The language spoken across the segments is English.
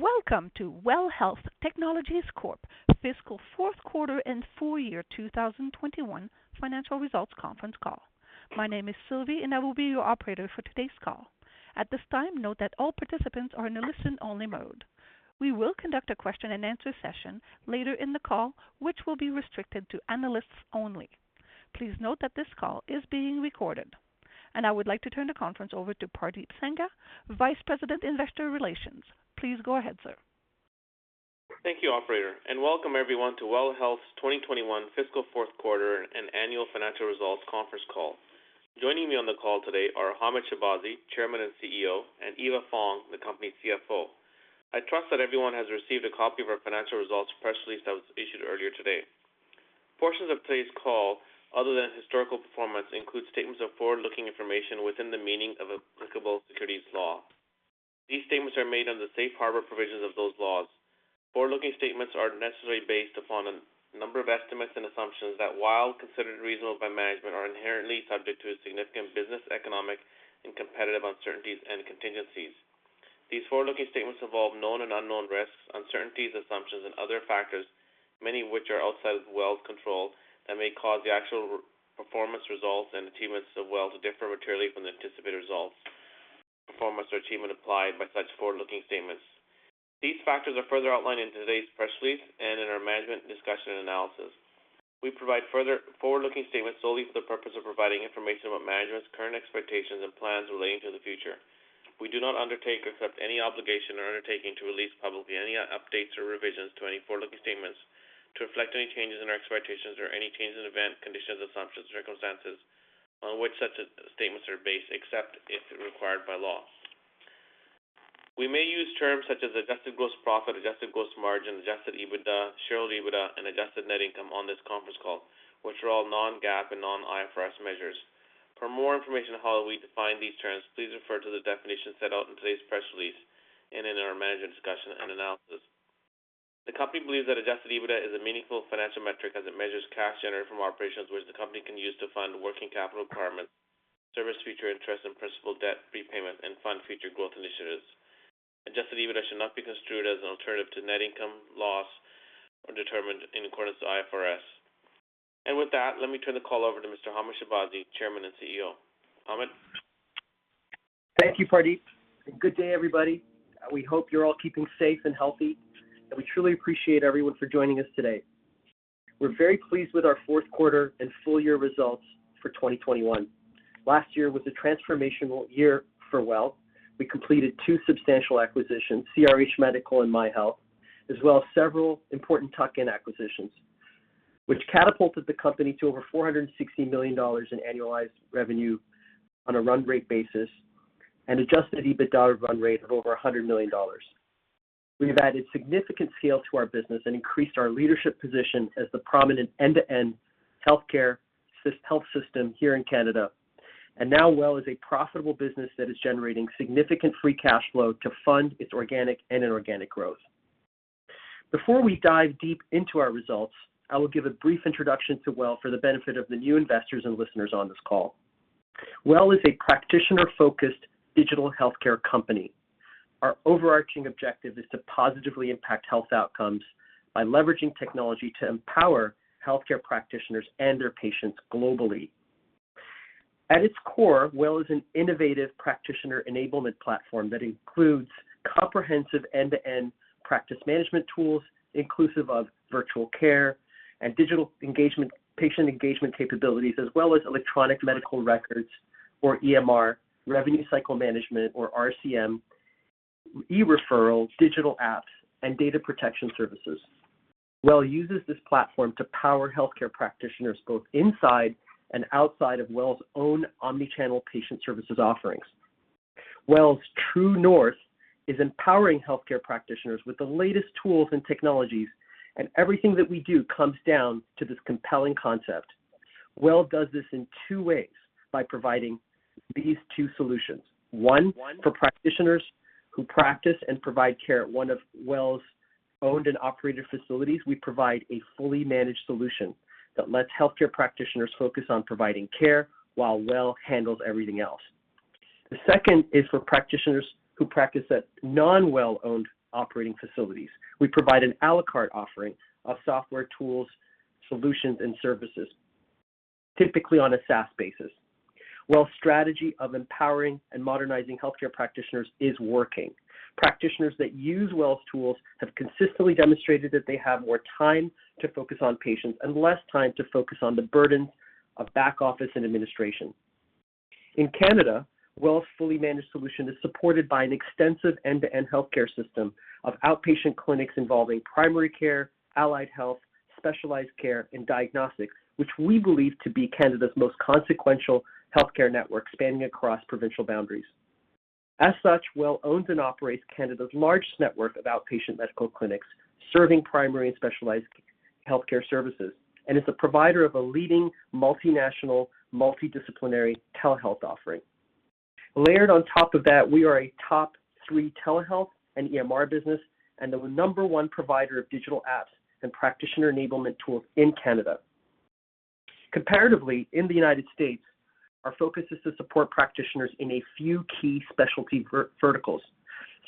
Welcome to WELL Health Technologies Corp fiscal fourth quarter and full year 2021 financial results conference call. My name is Sylvie, and I will be your operator for today's call. At this time, note that all participants are in a listen-only mode. We will conduct a question-and-answer session later in the call, which will be restricted to analysts only. Please note that this call is being recorded. I would like to turn the conference over to Pardeep Sangha, Vice President, Investor Relations. Please go ahead, sir. Thank you, operator, and welcome everyone to WELL Health's 2021 fiscal fourth quarter and annual financial results conference call. Joining me on the call today are Hamed Shahbazi, Chairman and CEO, and Eva Fong, the company's CFO. I trust that everyone has received a copy of our financial results press release that was issued earlier today. Portions of today's call, other than historical performance, include statements of forward-looking information within the meaning of applicable securities law. These statements are made under the safe harbor provisions of those laws. Forward-looking statements are necessarily based upon a number of estimates and assumptions that, while considered reasonable by management, are inherently subject to a significant business, economic, and competitive uncertainties and contingencies. These forward-looking statements involve known and unknown risks, uncertainties, assumptions, and other factors, many of which are outside of WELL's control that may cause the actual performance, results and achievements of WELL to differ materially from the anticipated results, performance or achievement implied by such forward-looking statements. These factors are further outlined in today's press release and in our management discussion and analysis. We provide further forward-looking statements solely for the purpose of providing information about management's current expectations and plans relating to the future. We do not undertake or accept any obligation or undertaking to release publicly any updates or revisions to any forward-looking statements to reflect any changes in our expectations or any change in events, conditions, assumptions and circumstances on which such statements are based, except if required by law. We may use terms such as adjusted gross profit, adjusted gross margin, adjusted EBITDA, shareholder EBITDA, and adjusted net income on this conference call, which are all non-GAAP and non-IFRS measures. For more information on how we define these terms, please refer to the definition set out in today's press release and in our management discussion and analysis. The company believes that adjusted EBITDA is a meaningful financial metric as it measures cash generated from operations which the company can use to fund working capital requirements, service future interest and principal debt repayment, and fund future growth initiatives. Adjusted EBITDA should not be construed as an alternative to net income or loss as determined in accordance with IFRS. With that, let me turn the call over to Mr. Hamed Shahbazi, Chairman and CEO. Hamed. Thank you, Pardeep, and good day, everybody. We hope you're all keeping safe and healthy, and we truly appreciate everyone for joining us today. We're very pleased with our fourth quarter and full year results for 2021. Last year was a transformational year for WELL. We completed two substantial acquisitions, CRH Medical and MyHealth, as well as several important tuck-in acquisitions, which catapulted the company to over 460 million dollars in annualized revenue on a run rate basis and adjusted EBITDA run rate of over 100 million dollars. We have added significant scale to our business and increased our leadership position as the prominent end-to-end healthcare health system here in Canada. Now WELL is a profitable business that is generating significant free cash flow to fund its organic and inorganic growth. Before we dive deep into our results, I will give a brief introduction to WELL for the benefit of the new investors and listeners on this call. WELL is a practitioner-focused digital healthcare company. Our overarching objective is to positively impact health outcomes by leveraging technology to empower healthcare practitioners and their patients globally. At its core, WELL is an innovative practitioner enablement platform that includes comprehensive end-to-end practice management tools, inclusive of virtual care and digital engagement, patient engagement capabilities, as well as electronic medical records or EMR, revenue cycle management or RCM, e-referrals, digital apps, and data protection services. WELL uses this platform to power healthcare practitioners both inside and outside of WELL's own omni-channel patient services offerings. WELL's true north is empowering healthcare practitioners with the latest tools and technologies, and everything that we do comes down to this compelling concept. WELL does this in two ways by providing these two solutions. One, for practitioners who practice and provide care at one of WELL's owned and operated facilities, we provide a fully managed solution that lets healthcare practitioners focus on providing care while WELL handles everything else. The second is for practitioners who practice at non-WELL owned operating facilities. We provide an à la carte offering of software tools, solutions, and services, typically on a SaaS basis. WELL's strategy of empowering and modernizing healthcare practitioners is working. Practitioners that use WELL's tools have consistently demonstrated that they have more time to focus on patients and less time to focus on the burdens of back office and administration. In Canada, WELL's fully managed solution is supported by an extensive end-to-end healthcare system of outpatient clinics involving primary care, allied health, specialized care, and diagnostics, which we believe to be Canada's most consequential healthcare network spanning across provincial boundaries. As such, WELL owns and operates Canada's largest network of outpatient medical clinics serving primary and specialized healthcare services, and is a provider of a leading multinational, multidisciplinary telehealth offering. Layered on top of that, we are a top three telehealth and EMR business and the number one provider of digital apps and practitioner enablement tools in Canada. Comparatively, in the United States, our focus is to support practitioners in a few key specialty verticals,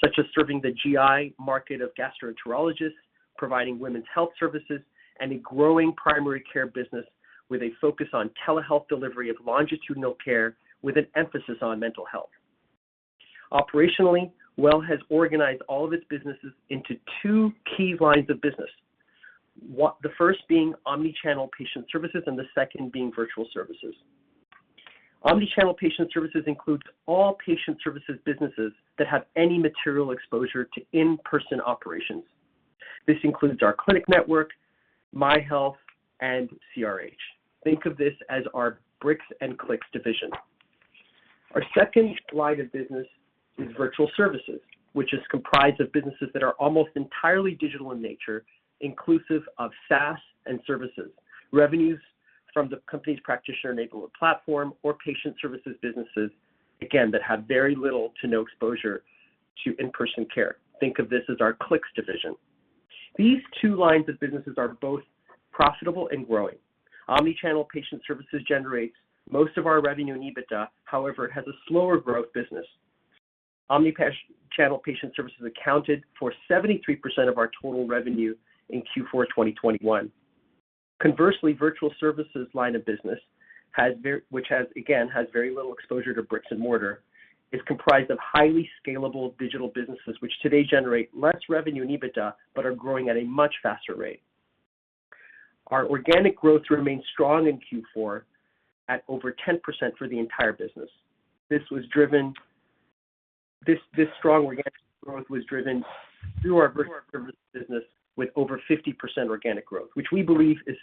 such as serving the GI market of gastroenterologists, providing women's health services, and a growing primary care business with a focus on telehealth delivery of longitudinal care with an emphasis on mental health. Operationally, WELL has organized all of its businesses into two key lines of business. The first being omni-channel patient services and the second being virtual services. Omni-channel patient services includes all patient services businesses that have any material exposure to in-person operations. This includes our clinic network, MyHealth, and CRH. Think of this as our bricks and clicks division. Our second line of business is virtual services, which is comprised of businesses that are almost entirely digital in nature, inclusive of SaaS and services. Revenues from the company's practitioner enablement platform and patient services businesses, again, that have very little to no exposure to in-person care. Think of this as our clicks division. These two lines of businesses are both profitable and growing. Omni-channel patient services generates most of our revenue and EBITDA, however, it has a slower growth business. Omni-channel patient services accounted for 73% of our total revenue in Q4 2021. Conversely, virtual services line of business, which has, again, very little exposure to bricks and mortar, is comprised of highly scalable digital businesses, which today generate less revenue in EBITDA but are growing at a much faster rate. Our organic growth remained strong in Q4 at over 10% for the entire business. This strong organic growth was driven through our virtual services business with over 50% organic growth, which we believe is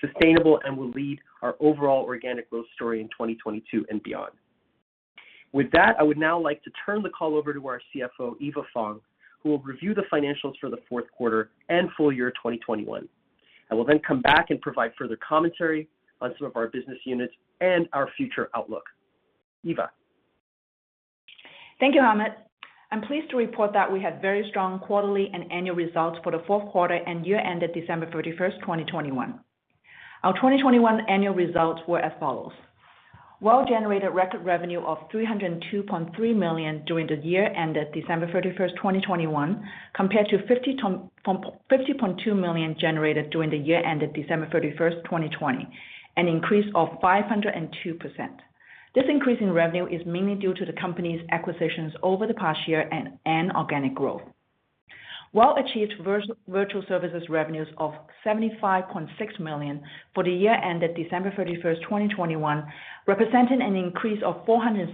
sustainable and will lead our overall organic growth story in 2022 and beyond. With that, I would now like to turn the call over to our CFO, Eva Fong, who will review the financials for the fourth quarter and full year 2021. I will then come back and provide further commentary on some of our business units and our future outlook. Eva. Thank you, Hamed. I'm pleased to report that we had very strong quarterly and annual results for the fourth quarter and year ended December 31st, 2021. Our 2021 annual results were as follows: WELL generated record revenue of 302.3 million during the year ended December 31st, 2021, compared to 50.2 million generated during the year ended December 31st, 2020. An increase of 502%. This increase in revenue is mainly due to the company's acquisitions over the past year and organic growth. WELL achieved virtual services revenues of 75.6 million for the year ended December 31st, 2021, representing an increase of 460%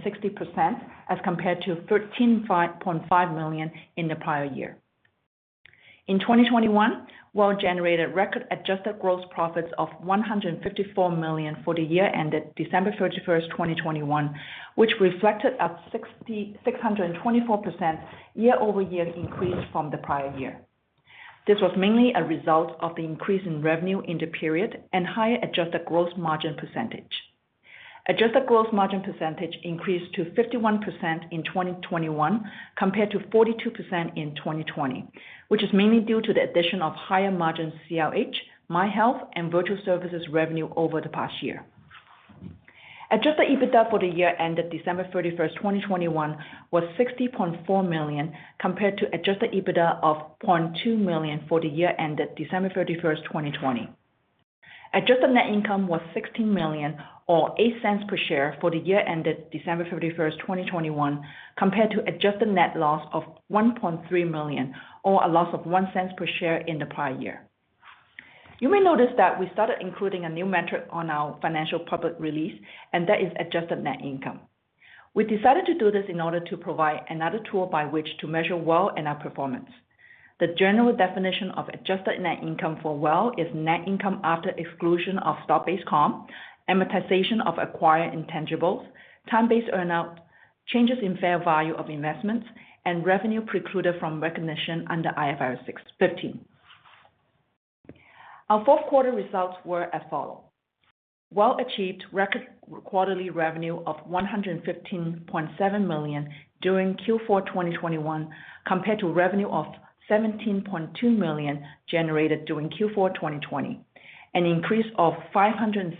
as compared to 13.5 million in the prior year. In 2021, WELL generated record adjusted gross profits of 154 million for the year ended December 31st, 2021, which reflected a 6,624% year-over-year increase from the prior year. This was mainly a result of the increase in revenue in the period and higher adjusted gross margin percentage. Adjusted gross margin percentage increased to 51% in 2021 compared to 42% in 2020, which is mainly due to the addition of higher margin CRH, MyHealth, and virtual services revenue over the past year. Adjusted EBITDA for the year ended December 31st, 2021 was 60.4 million compared to adjusted EBITDA of 0.2 million for the year ended December 31st, 2020. Adjusted net income was 16 million or 0.08 per share for the year ended December 31st, 2021, compared to adjusted net loss of 1.3 million or a loss of 0.01 per share in the prior year. You may notice that we started including a new metric on our financial public release, and that is adjusted net income. We decided to do this in order to provide another tool by which to measure WELL and our performance. The general definition of adjusted net income for WELL is net income after exclusion of stock-based comp, amortization of acquired intangibles, time-based earn-out, changes in fair value of investments, and revenue precluded from recognition under IFRS 15. Our fourth quarter results were as follows: WELL achieved record quarterly revenue of 115.7 million during Q4 2021, compared to revenue of 17.2 million generated during Q4 2020, an increase of 573%,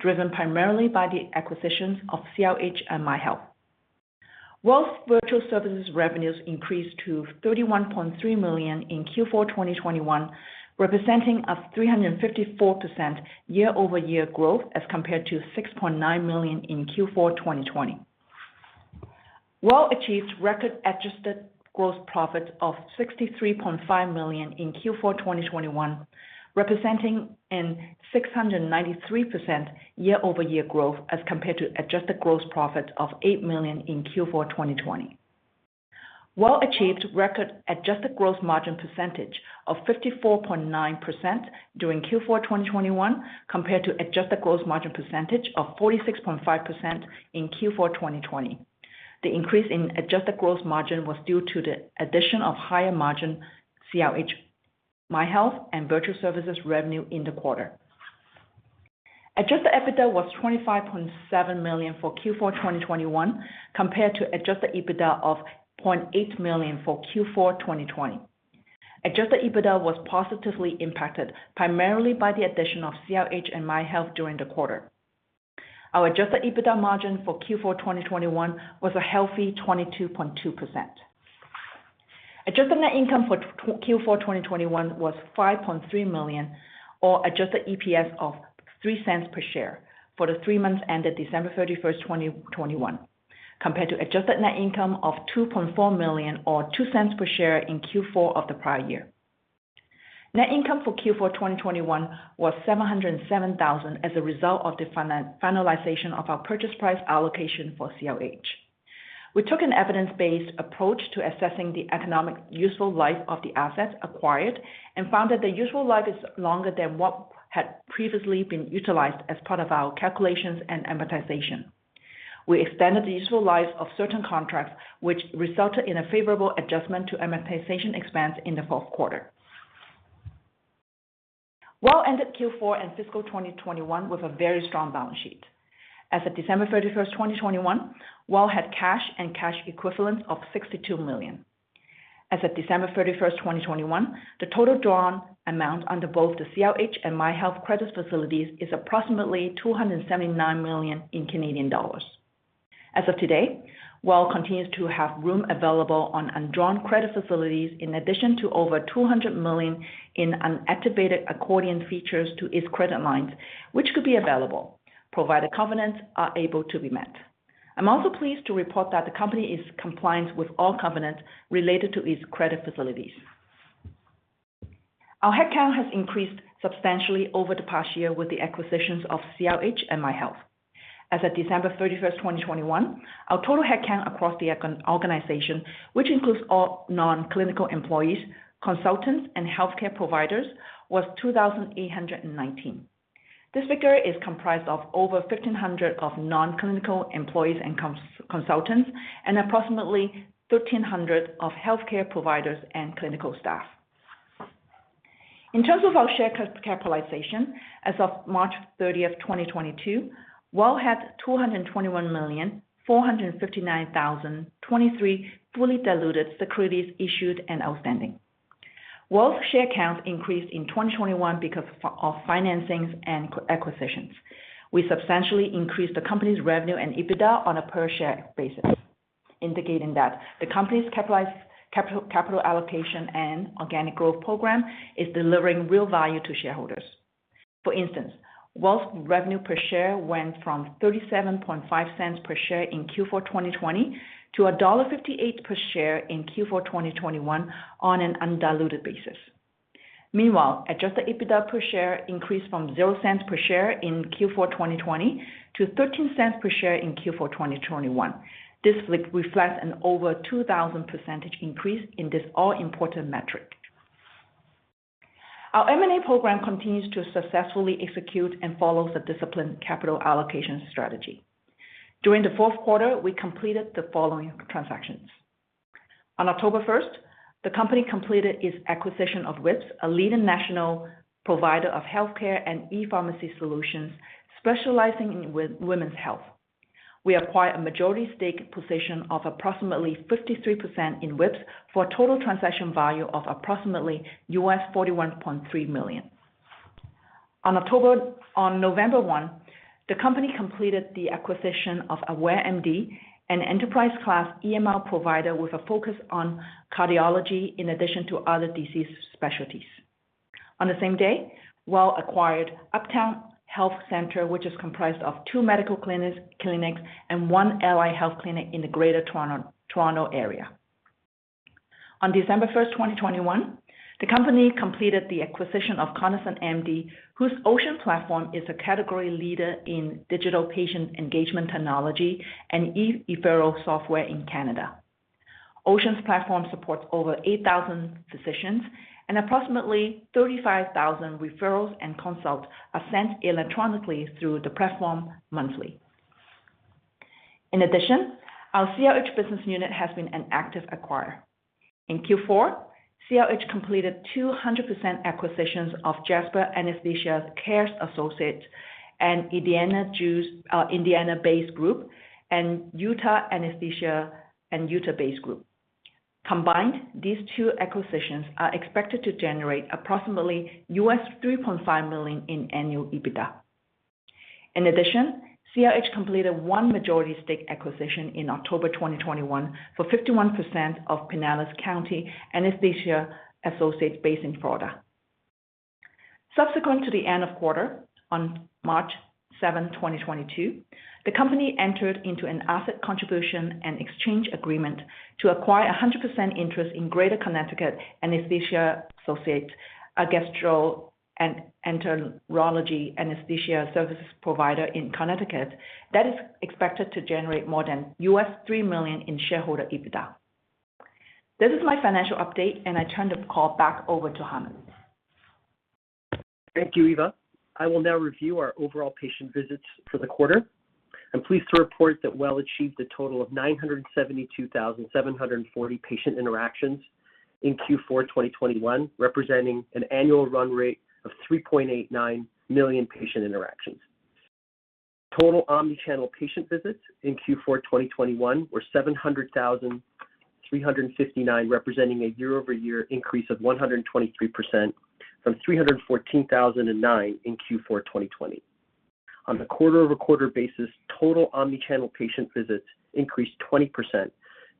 driven primarily by the acquisitions of CRH and MyHealth. WELL's virtual services revenues increased to 31.3 million in Q4 2021, representing a 354% year-over-year growth as compared to 6.9 million in Q4 2020. WELL achieved record adjusted gross profit of 63.5 million in Q4 2021, representing a 693% year-over-year growth as compared to adjusted gross profit of 8 million in Q4 2020. WELL achieved record adjusted gross margin percentage of 54.9% during Q4 2021, compared to adjusted gross margin percentage of 46.5% in Q4 2020. The increase in adjusted gross margin was due to the addition of higher margin CRH, MyHealth, and virtual services revenue in the quarter. Adjusted EBITDA was 25.7 million for Q4 2021, compared to adjusted EBITDA of 0.8 million for Q4 2020. Adjusted EBITDA was positively impacted primarily by the addition of CRH and MyHealth during the quarter. Our adjusted EBITDA margin for Q4 2021 was a healthy 22.2%. Adjusted net income for Q4 2021 was 5.3 million or adjusted EPS of 0.03 per share for the three months ended December 31st, 2021, compared to adjusted net income of 2.4 million or 0.02 per share in Q4 of the prior year. Net income for Q4 2021 was 707,000 as a result of the finalization of our purchase price allocation for CRH. We took an evidence-based approach to assessing the economic useful life of the assets acquired and found that the useful life is longer than what had previously been utilized as part of our calculations and amortization. We extended the useful lives of certain contracts, which resulted in a favorable adjustment to amortization expense in the fourth quarter. WELL ended Q4 and fiscal 2021 with a very strong balance sheet. As of December 31st, 2021, WELL had cash and cash equivalents of 62 million. As of December 31st, 2021, the total drawn amount under both the CRH and MyHealth credit facilities is approximately 279 million. As of today, WELL continues to have room available on undrawn credit facilities in addition to over 200 million in unactivated accordion features to its credit lines, which could be available, provided covenants are able to be met. I'm also pleased to report that the company is compliant with all covenants related to its credit facilities. Our headcount has increased substantially over the past year with the acquisitions of CRH and MyHealth. As of December 31st, 2021, our total headcount across the organization, which includes all non-clinical employees, consultants, and healthcare providers, was 2,819. This figure is comprised of over 1,500 non-clinical employees and consultants and approximately 1,300 healthcare providers and clinical staff. In terms of our share capitalization, as of March 30th, 2022, WELL had 221,459,023 fully diluted securities issued and outstanding. WELL's share count increased in 2021 because of financings and acquisitions. We substantially increased the company's revenue and EBITDA on a per share basis, indicating that the company's capital allocation and organic growth program is delivering real value to shareholders. For instance, WELL's revenue per share went from 0.375 per share in Q4 2020 to dollar 1.58 per share in Q4 2021 on an undiluted basis. Meanwhile, adjusted EBITDA per share increased from 0.00 per share in Q4 2020 to 0.13 per share in Q4 2021. This reflects an over 2,000% increase in this all-important metric. Our M&A program continues to successfully execute and follow the disciplined capital allocation strategy. During the fourth quarter, we completed the following transactions. On October 1st, the company completed its acquisition of Wisp, a leading national provider of healthcare and ePharmacy solutions specializing in women's health. We acquired a majority stake position of approximately 53% in Wisp for a total transaction value of approximately $41.3 million. On November 1, the company completed the acquisition of AwareMD, an enterprise-class EMR provider with a focus on cardiology in addition to other disease specialties. On the same day, WELL acquired Uptown Health Centre, which is comprised of two medical clinics and one allied health clinic in the Greater Toronto area. On December 1st, 2021, the company completed the acquisition of CognisantMD, whose Ocean platform is a category leader in digital patient engagement technology and eReferral software in Canada. Ocean's platform supports over 8,000 physicians and approximately 35,000 referrals and consult are sent electronically through the platform monthly. In addition, our CRH business unit has been an active acquirer. In Q4, CRH completed two 100% acquisitions of Jasper Anesthesia Care Associates, an Indiana-based group, and Utah Anesthesia, an Utah-based group. Combined, these two acquisitions are expected to generate approximately $3.5 million in annual EBITDA. In addition, CRH completed one majority stake acquisition in October 2021 for 51% of Pinellas County Anesthesia Associates based in Florida. Subsequent to the end of quarter, on March 7th, 2022, the company entered into an asset contribution and exchange agreement to acquire a 100% interest in Greater Connecticut Anesthesia Associates, a gastroenterology anesthesia services provider in Connecticut that is expected to generate more than $3 million in shareholder EBITDA. This is my financial update, and I turn the call back over to Hamed. Thank you, Eva. I will now review our overall patient visits for the quarter. I'm pleased to report that WELL achieved a total of 972,740 patient interactions in Q4 2021, representing an annual run rate of 3.89 million patient interactions. Total omni-channel patient visits in Q4 2021 were 700,359, representing a year-over-year increase of 123% from 314,009 in Q4 2020. On a quarter-over-quarter basis, total omni-channel patient visits increased 20%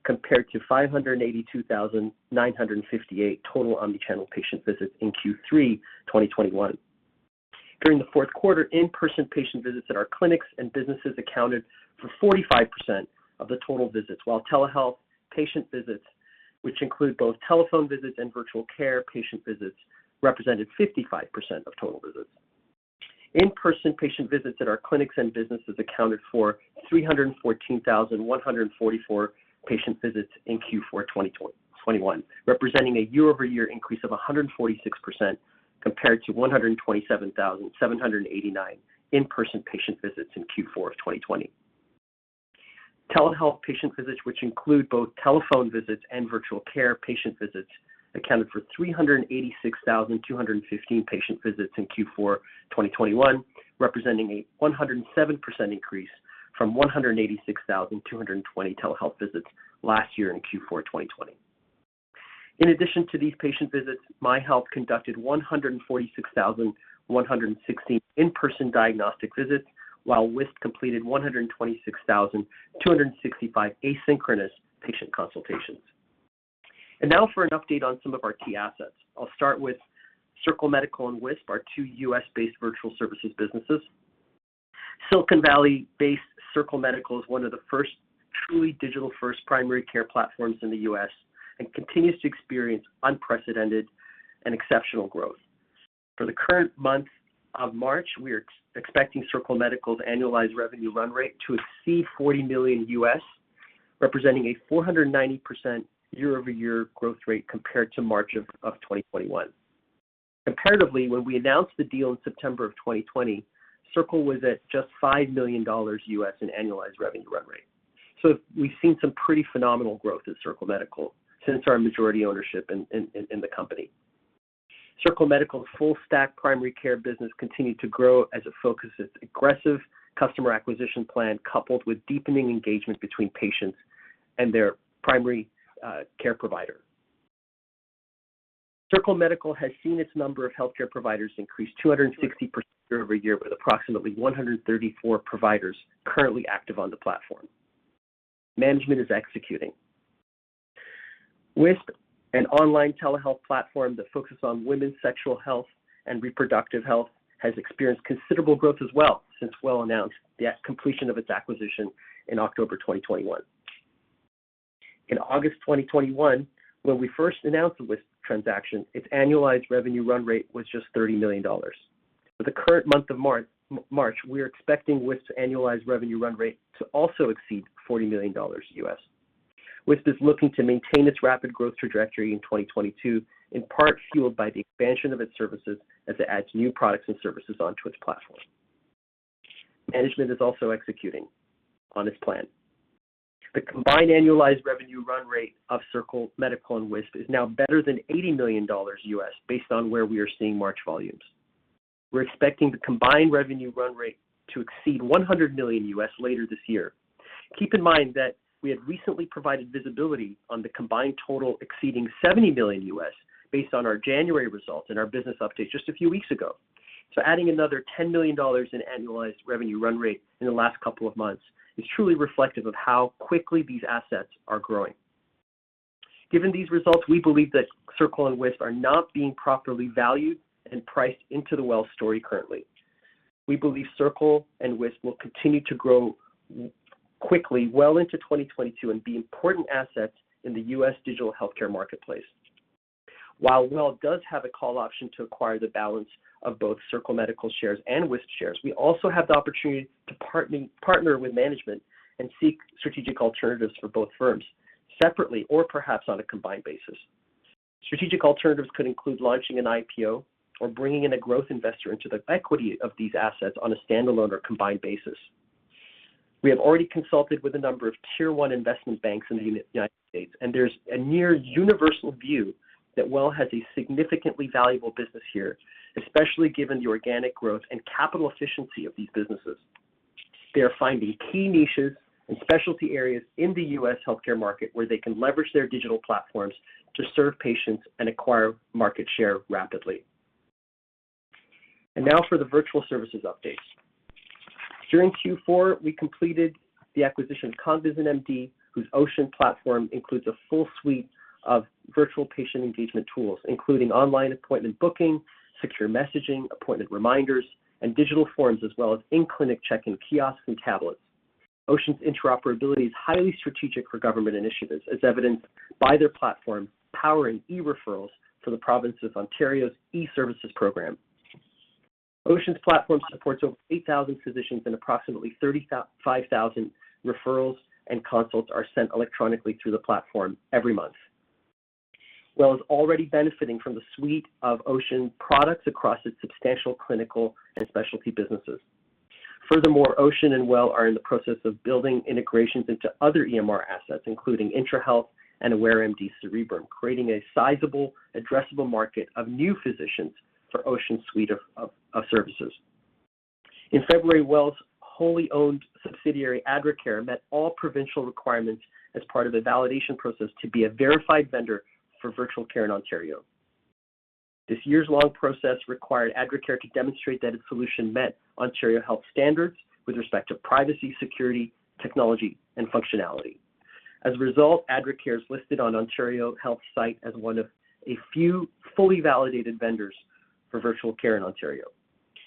compared to 582,958 total omni-channel patient visits in Q3 2021. During the fourth quarter, in-person patient visits at our clinics and businesses accounted for 45% of the total visits, while telehealth patient visits, which include both telephone visits and virtual care patient visits, represented 55% of total visits. In-person patient visits at our clinics and businesses accounted for 314,144 patient visits in Q4 2021, representing a year-over-year increase of 146% compared to 127,789 in-person patient visits in Q4 of 2020. Telehealth patient visits, which include both telephone visits and virtual care patient visits, accounted for 386,215 patient visits in Q4 2021, representing a 107% increase from 186,220 telehealth visits last year in Q4 2020. In addition to these patient visits, MyHealth conducted 146,116 in-person diagnostic visits, while Wisp completed 126,265 asynchronous patient consultations. Now for an update on some of our key assets. I'll start with Circle Medical and Wisp, our two U.S.-based virtual services businesses. Silicon Valley-based Circle Medical is one of the first truly digital-first primary care platforms in the U.S. and continues to experience unprecedented and exceptional growth. For the current month of March, we are expecting Circle Medical's annualized revenue run rate to exceed $40 million, representing a 490% year-over-year growth rate compared to March of 2021. Comparatively, when we announced the deal in September of 2020, Circle was at just $5 million in annualized revenue run rate. We've seen some pretty phenomenal growth at Circle Medical since our majority ownership in the company. Circle Medical's full stack primary care business continued to grow as it focused its aggressive customer acquisition plan coupled with deepening engagement between patients and their primary care provider. Circle Medical has seen its number of healthcare providers increase 260% year-over-year with approximately 134 providers currently active on the platform. Management is executing. Wisp, an online telehealth platform that focuses on women's sexual health and reproductive health, has experienced considerable growth as well since WELL announced the completion of its acquisition in October 2021. In August 2021, when we first announced the Wisp transaction, its annualized revenue run rate was just $30 million. For the current month of March, we are expecting Wisp's annualized revenue run rate to also exceed $40 million. Wisp is looking to maintain its rapid growth trajectory in 2022, in part fueled by the expansion of its services as it adds new products and services onto its platform. Management is also executing on its plan. The combined annualized revenue run rate of Circle Medical and Wisp is now better than $80 million based on where we are seeing March volumes. We're expecting the combined revenue run rate to exceed $100 million later this year. Keep in mind that we had recently provided visibility on the combined total exceeding $70 million based on our January results and our business update just a few weeks ago. Adding another $10 million in annualized revenue run rate in the last couple of months is truly reflective of how quickly these assets are growing. Given these results, we believe that Circle and Wisp are not being properly valued and priced into the WELL story currently. We believe Circle and Wisp will continue to grow quickly well into 2022 and be important assets in the U.S. digital healthcare marketplace. While WELL does have a call option to acquire the balance of both Circle Medical shares and Wisp shares, we also have the opportunity to partner with management and seek strategic alternatives for both firms separately or perhaps on a combined basis. Strategic alternatives could include launching an IPO or bringing in a growth investor into the equity of these assets on a standalone or combined basis. We have already consulted with a number of tier one investment banks in the United States, and there's a near universal view that WELL has a significantly valuable business here, especially given the organic growth and capital efficiency of these businesses. They are finding key niches and specialty areas in the U.S. healthcare market where they can leverage their digital platforms to serve patients and acquire market share rapidly. Now for the virtual services updates. During Q4, we completed the acquisition of CognisantMD, whose Ocean platform includes a full suite of virtual patient engagement tools, including online appointment booking, secure messaging, appointment reminders, and digital forms, as well as in-clinic check-in kiosks and tablets. Ocean's interoperability is highly strategic for government initiatives, as evidenced by their platform powering e-referrals for the province of Ontario's e-services program. Ocean's platform supports over 8,000 physicians, and approximately 35,000 referrals and consults are sent electronically through the platform every month. WELL is already benefiting from the suite of Ocean products across its substantial clinical and specialty businesses. Furthermore, Ocean and WELL are in the process of building integrations into other EMR assets, including IntraHealth and AwareMD Cerebrum, creating a sizable addressable market of new physicians for Ocean's suite of services. In February, WELL's wholly owned subsidiary, Adracare, met all provincial requirements as part of the validation process to be a verified vendor for virtual care in Ontario. This years-long process required Adracare to demonstrate that its solution met Ontario Health standards with respect to privacy, security, technology, and functionality. As a result, Adracare is listed on Ontario Health site as one of a few fully validated vendors for virtual care in Ontario.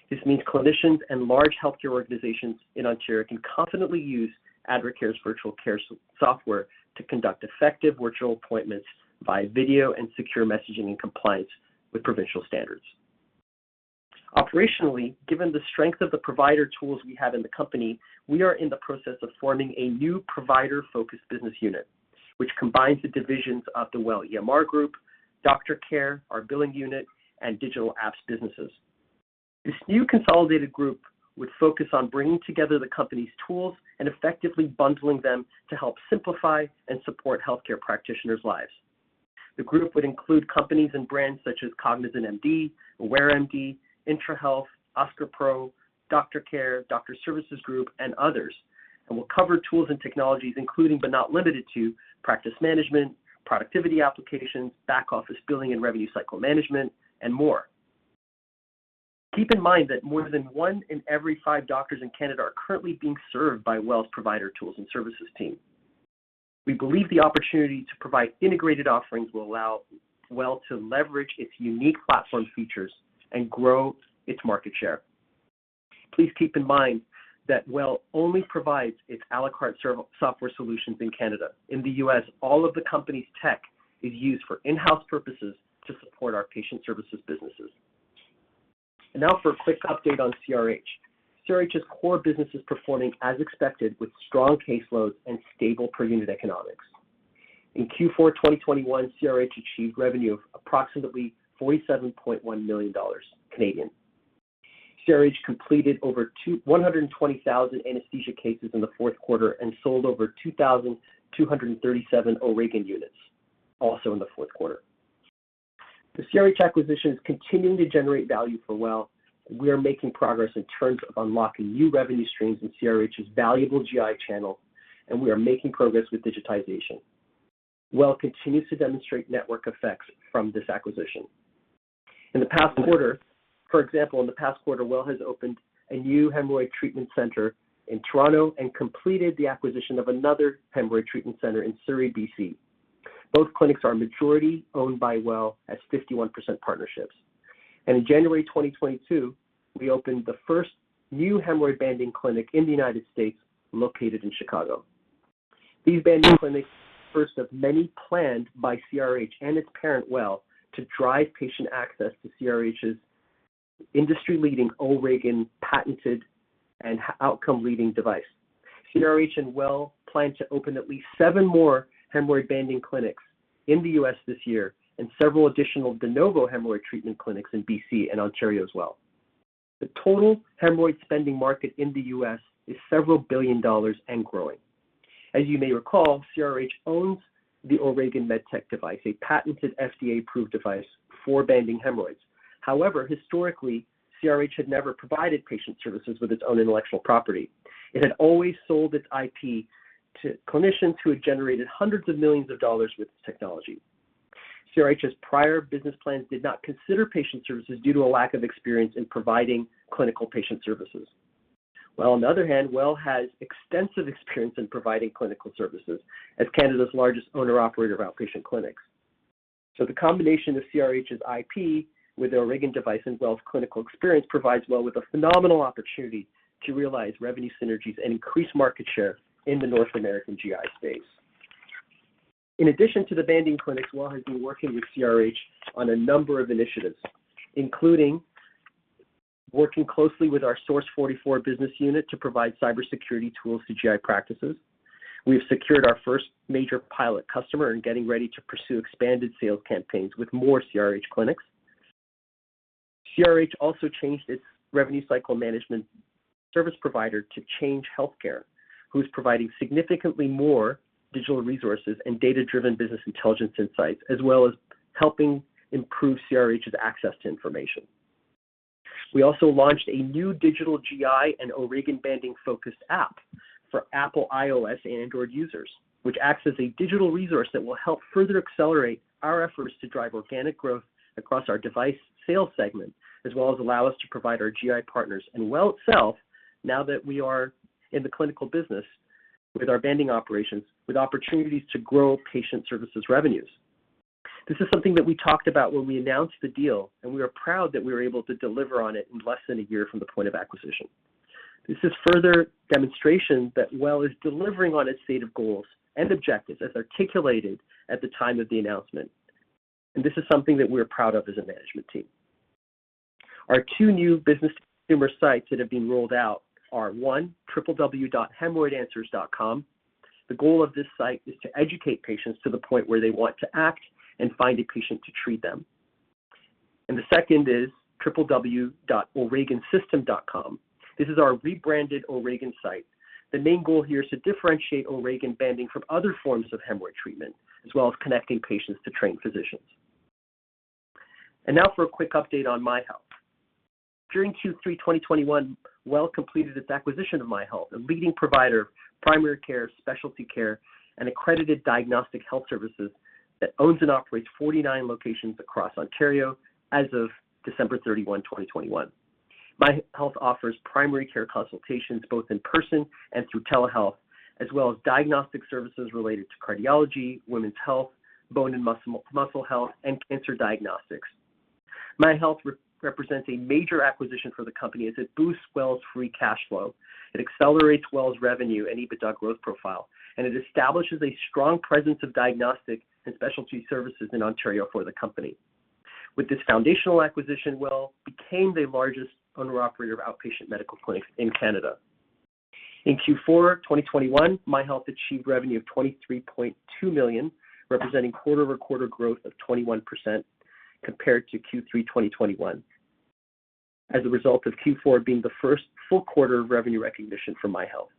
This means clinicians and large healthcare organizations in Ontario can confidently use Adracare's virtual care software to conduct effective virtual appointments via video and secure messaging in compliance with provincial standards. Operationally, given the strength of the provider tools we have in the company, we are in the process of forming a new provider-focused business unit, which combines the divisions of the WELL EMR group, DoctorCare, our billing unit, and digital apps businesses. This new consolidated group would focus on bringing together the company's tools and effectively bundling them to help simplify and support healthcare practitioners' lives. The group would include companies and brands such as CognisantMD, AwareMD, IntraHealth, OSCAR Pro, DoctorCare, Doctors Services Group, and others, and will cover tools and technologies, including but not limited to practice management, productivity applications, back-office billing and revenue cycle management, and more. Keep in mind that more than one in every five doctors in Canada are currently being served by WELL's provider tools and services team. We believe the opportunity to provide integrated offerings will allow WELL to leverage its unique platform features and grow its market share. Please keep in mind that WELL only provides its à la carte software solutions in Canada. In the U.S., all of the company's tech is used for in-house purposes to support our patient services businesses. Now for a quick update on CRH. CRH's core business is performing as expected with strong caseloads and stable per unit economics. In Q4 2021, CRH achieved revenue of approximately 47.1 million Canadian dollars. CRH completed over 120,000 anesthesia cases in the fourth quarter and sold over 2,237 O'Regan units also in the fourth quarter. The CRH acquisition is continuing to generate value for WELL. We are making progress in terms of unlocking new revenue streams in CRH's valuable GI channel, and we are making progress with digitization. WELL continues to demonstrate network effects from this acquisition. For example, in the past quarter, WELL has opened a new hemorrhoid treatment center in Toronto and completed the acquisition of another hemorrhoid treatment center in Surrey, BC. Both clinics are majority owned by WELL as 51% partnerships. In January 2022, we opened the first new hemorrhoid banding clinic in the United States, located in Chicago. These banding clinics are the first of many planned by CRH and its parent, WELL, to drive patient access to CRH's industry-leading O'Regan patented and outcome-leading device. CRH and WELL plan to open at least seven more hemorrhoid banding clinics in the U.S. this year and several additional de novo hemorrhoid treatment clinics in BC and Ontario as well. The total hemorrhoid spending market in the U.S. is $ several billion and growing. As you may recall, CRH owns the O'Regan MedTech device, a patented FDA-approved device for banding hemorrhoids. However, historically, CRH had never provided patient services with its own intellectual property. It had always sold its IP to clinicians who had generated hundreds of millions of dollars with this technology. CRH's prior business plans did not consider patient services due to a lack of experience in providing clinical patient services. Well, on the other hand, WELL has extensive experience in providing clinical services as Canada's largest owner/operator of outpatient clinics. The combination of CRH's IP with the O'Regan device and WELL's clinical experience provides WELL with a phenomenal opportunity to realize revenue synergies and increase market share in the North American GI space. In addition to the banding clinics, WELL has been working with CRH on a number of initiatives, including working closely with our Source 44 business unit to provide cybersecurity tools to GI practices. We have secured our first major pilot customer and getting ready to pursue expanded sales campaigns with more CRH clinics. CRH also changed its revenue cycle management service provider to Change Healthcare, who's providing significantly more digital resources and data-driven business intelligence insights, as well as helping improve CRH's access to information. We also launched a new digital GI and O'Regan banding-focused app for Apple iOS and Android users, which acts as a digital resource that will help further accelerate our efforts to drive organic growth across our device sales segment, as well as allow us to provide our GI partners and WELL itself, now that we are in the clinical business with our banding operations, with opportunities to grow patient services revenues. This is something that we talked about when we announced the deal, and we are proud that we were able to deliver on it in less than a year from the point of acquisition. This is further demonstration that WELL is delivering on its stated goals and objectives as articulated at the time of the announcement. This is something that we're proud of as a management team. Our two new business consumer sites that have been rolled out are, one, www.hemorrhoidanswers.com. The goal of this site is to educate patients to the point where they want to act and find a physician to treat them. The second is www.oregansystem.com. This is our rebranded O'Regan site. The main goal here is to differentiate O'Regan banding from other forms of hemorrhoid treatment, as well as connecting patients to trained physicians. Now for a quick update on MyHealth. During Q3 2021, WELL completed its acquisition of MyHealth, a leading provider of primary care, specialty care, and accredited diagnostic health services that owns and operates 49 locations across Ontario as of December 31st, 2021. MyHealth offers primary care consultations both in person and through telehealth, as well as diagnostic services related to cardiology, women's health, bone and muscle health, and cancer diagnostics. MyHealth represents a major acquisition for the company as it boosts WELL's free cash flow, it accelerates WELL's revenue and EBITDA growth profile, and it establishes a strong presence of diagnostic and specialty services in Ontario for the company. With this foundational acquisition, WELL became the largest owner-operator of outpatient medical clinics in Canada. In Q4 2021, MyHealth achieved revenue of 23.2 million, representing quarter-over-quarter growth of 21% compared to Q3 2021 as a result of Q4 being the first full quarter of revenue recognition for MyHealth.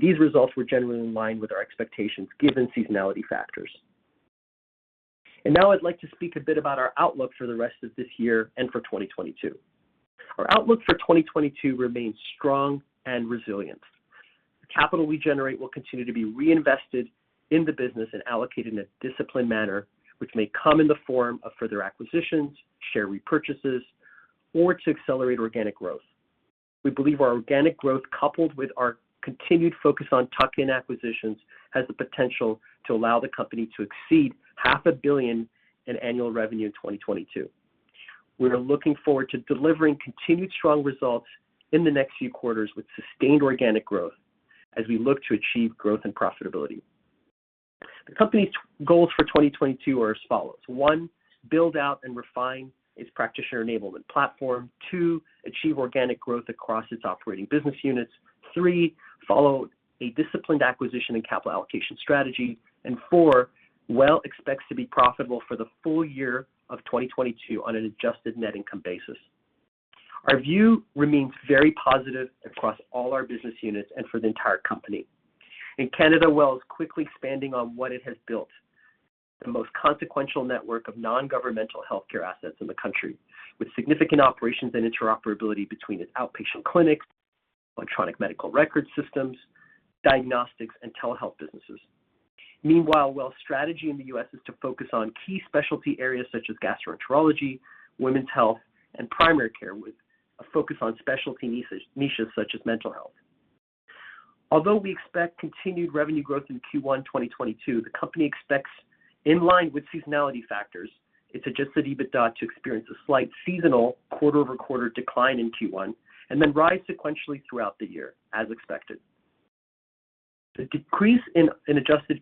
These results were generally in line with our expectations given seasonality factors. Now I'd like to speak a bit about our outlook for the rest of this year and for 2022. Our outlook for 2022 remains strong and resilient. The capital we generate will continue to be reinvested in the business and allocated in a disciplined manner, which may come in the form of further acquisitions, share repurchases or to accelerate organic growth. We believe our organic growth, coupled with our continued focus on tuck-in acquisitions, has the potential to allow the company to exceed half a billion in annual revenue in 2022. We are looking forward to delivering continued strong results in the next few quarters with sustained organic growth as we look to achieve growth and profitability. The company's goals for 2022 are as follows. One, build out and refine its practitioner enablement platform. Two, achieve organic growth across its operating business units. Three, follow a disciplined acquisition and capital allocation strategy. Four, WELL expects to be profitable for the full year of 2022 on an adjusted net income basis. Our view remains very positive across all our business units and for the entire company. In Canada, WELL is quickly expanding on what it has built, the most consequential network of non-governmental healthcare assets in the country, with significant operations and interoperability between its outpatient clinics, electronic medical record systems, diagnostics, and telehealth businesses. Meanwhile, WELL's strategy in the U.S. is to focus on key specialty areas such as gastroenterology, women's health, and primary care, with a focus on specialty niches such as mental health. Although we expect continued revenue growth in Q1 2022, the company expects, in line with seasonality factors, its adjusted EBITDA to experience a slight seasonal quarter-over-quarter decline in Q1 and then rise sequentially throughout the year as expected. The decrease in adjusted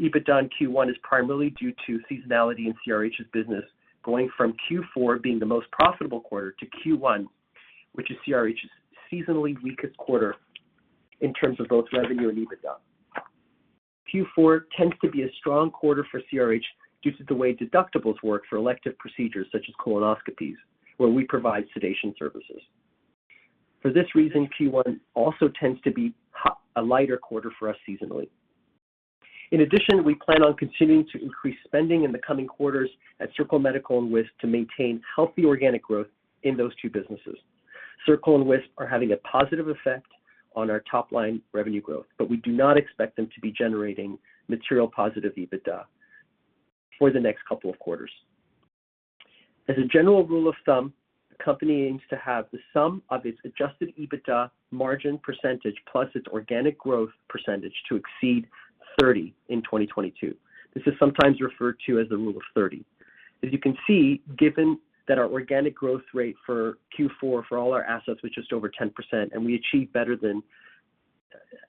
EBITDA in Q1 is primarily due to seasonality in CRH's business, going from Q4 being the most profitable quarter to Q1, which is CRH's seasonally weakest quarter in terms of both revenue and EBITDA. Q4 tends to be a strong quarter for CRH due to the way deductibles work for elective procedures such as colonoscopies, where we provide sedation services. For this reason, Q1 also tends to be a lighter quarter for us seasonally. In addition, we plan on continuing to increase spending in the coming quarters at Circle Medical and Wisp to maintain healthy organic growth in those two businesses. Circle and Wisp are having a positive effect on our top-line revenue growth, but we do not expect them to be generating material positive EBITDA for the next couple of quarters. As a general rule of thumb, the company aims to have the sum of its adjusted EBITDA margin percentage plus its organic growth percentage to exceed 30 in 2022. This is sometimes referred to as the rule of thirty. As you can see, given that our organic growth rate for Q4 for all our assets was just over 10%.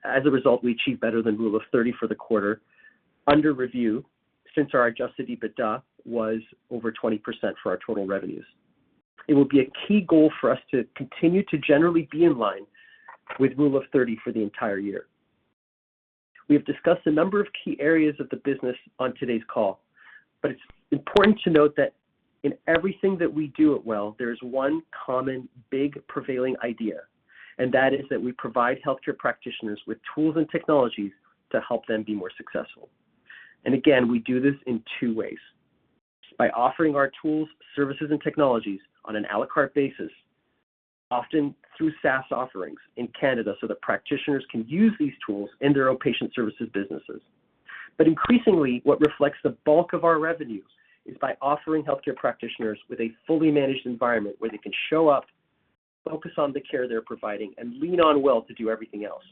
As a result, we achieved better than rule of thirty for the quarter under review since our adjusted EBITDA was over 20% for our total revenues. It will be a key goal for us to continue to generally be in line with rule of thirty for the entire year. We have discussed a number of key areas of the business on today's call, but it's important to note that in everything that we do at WELL, there is one common big prevailing idea, and that is that we provide healthcare practitioners with tools and technologies to help them be more successful. Again, we do this in two ways by offering our tools, services, and technologies on an à la carte basis, often through SaaS offerings in Canada so that practitioners can use these tools in their own patient services businesses. Increasingly, what reflects the bulk of our revenues is by offering healthcare practitioners with a fully managed environment where they can show up, focus on the care they're providing, and lean on WELL to do everything else.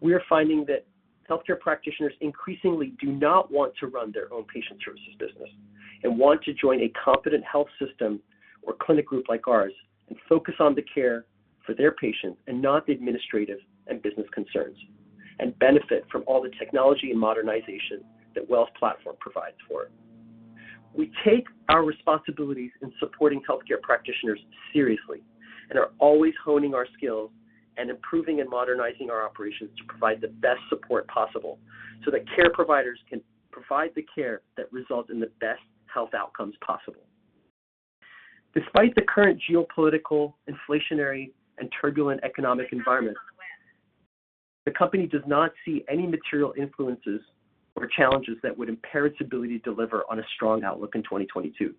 We are finding that healthcare practitioners increasingly do not want to run their own patient services business and want to join a competent health system or clinic group like ours and focus on the care for their patients and not the administrative and business concerns, and benefit from all the technology and modernization that WELL's platform provides for it. We take our responsibilities in supporting healthcare practitioners seriously and are always honing our skills and improving and modernizing our operations to provide the best support possible so that care providers can provide the care that results in the best health outcomes possible. Despite the current geopolitical, inflationary, and turbulent economic environment. The company does not see any material influences or challenges that would impair its ability to deliver on a strong outlook in 2022.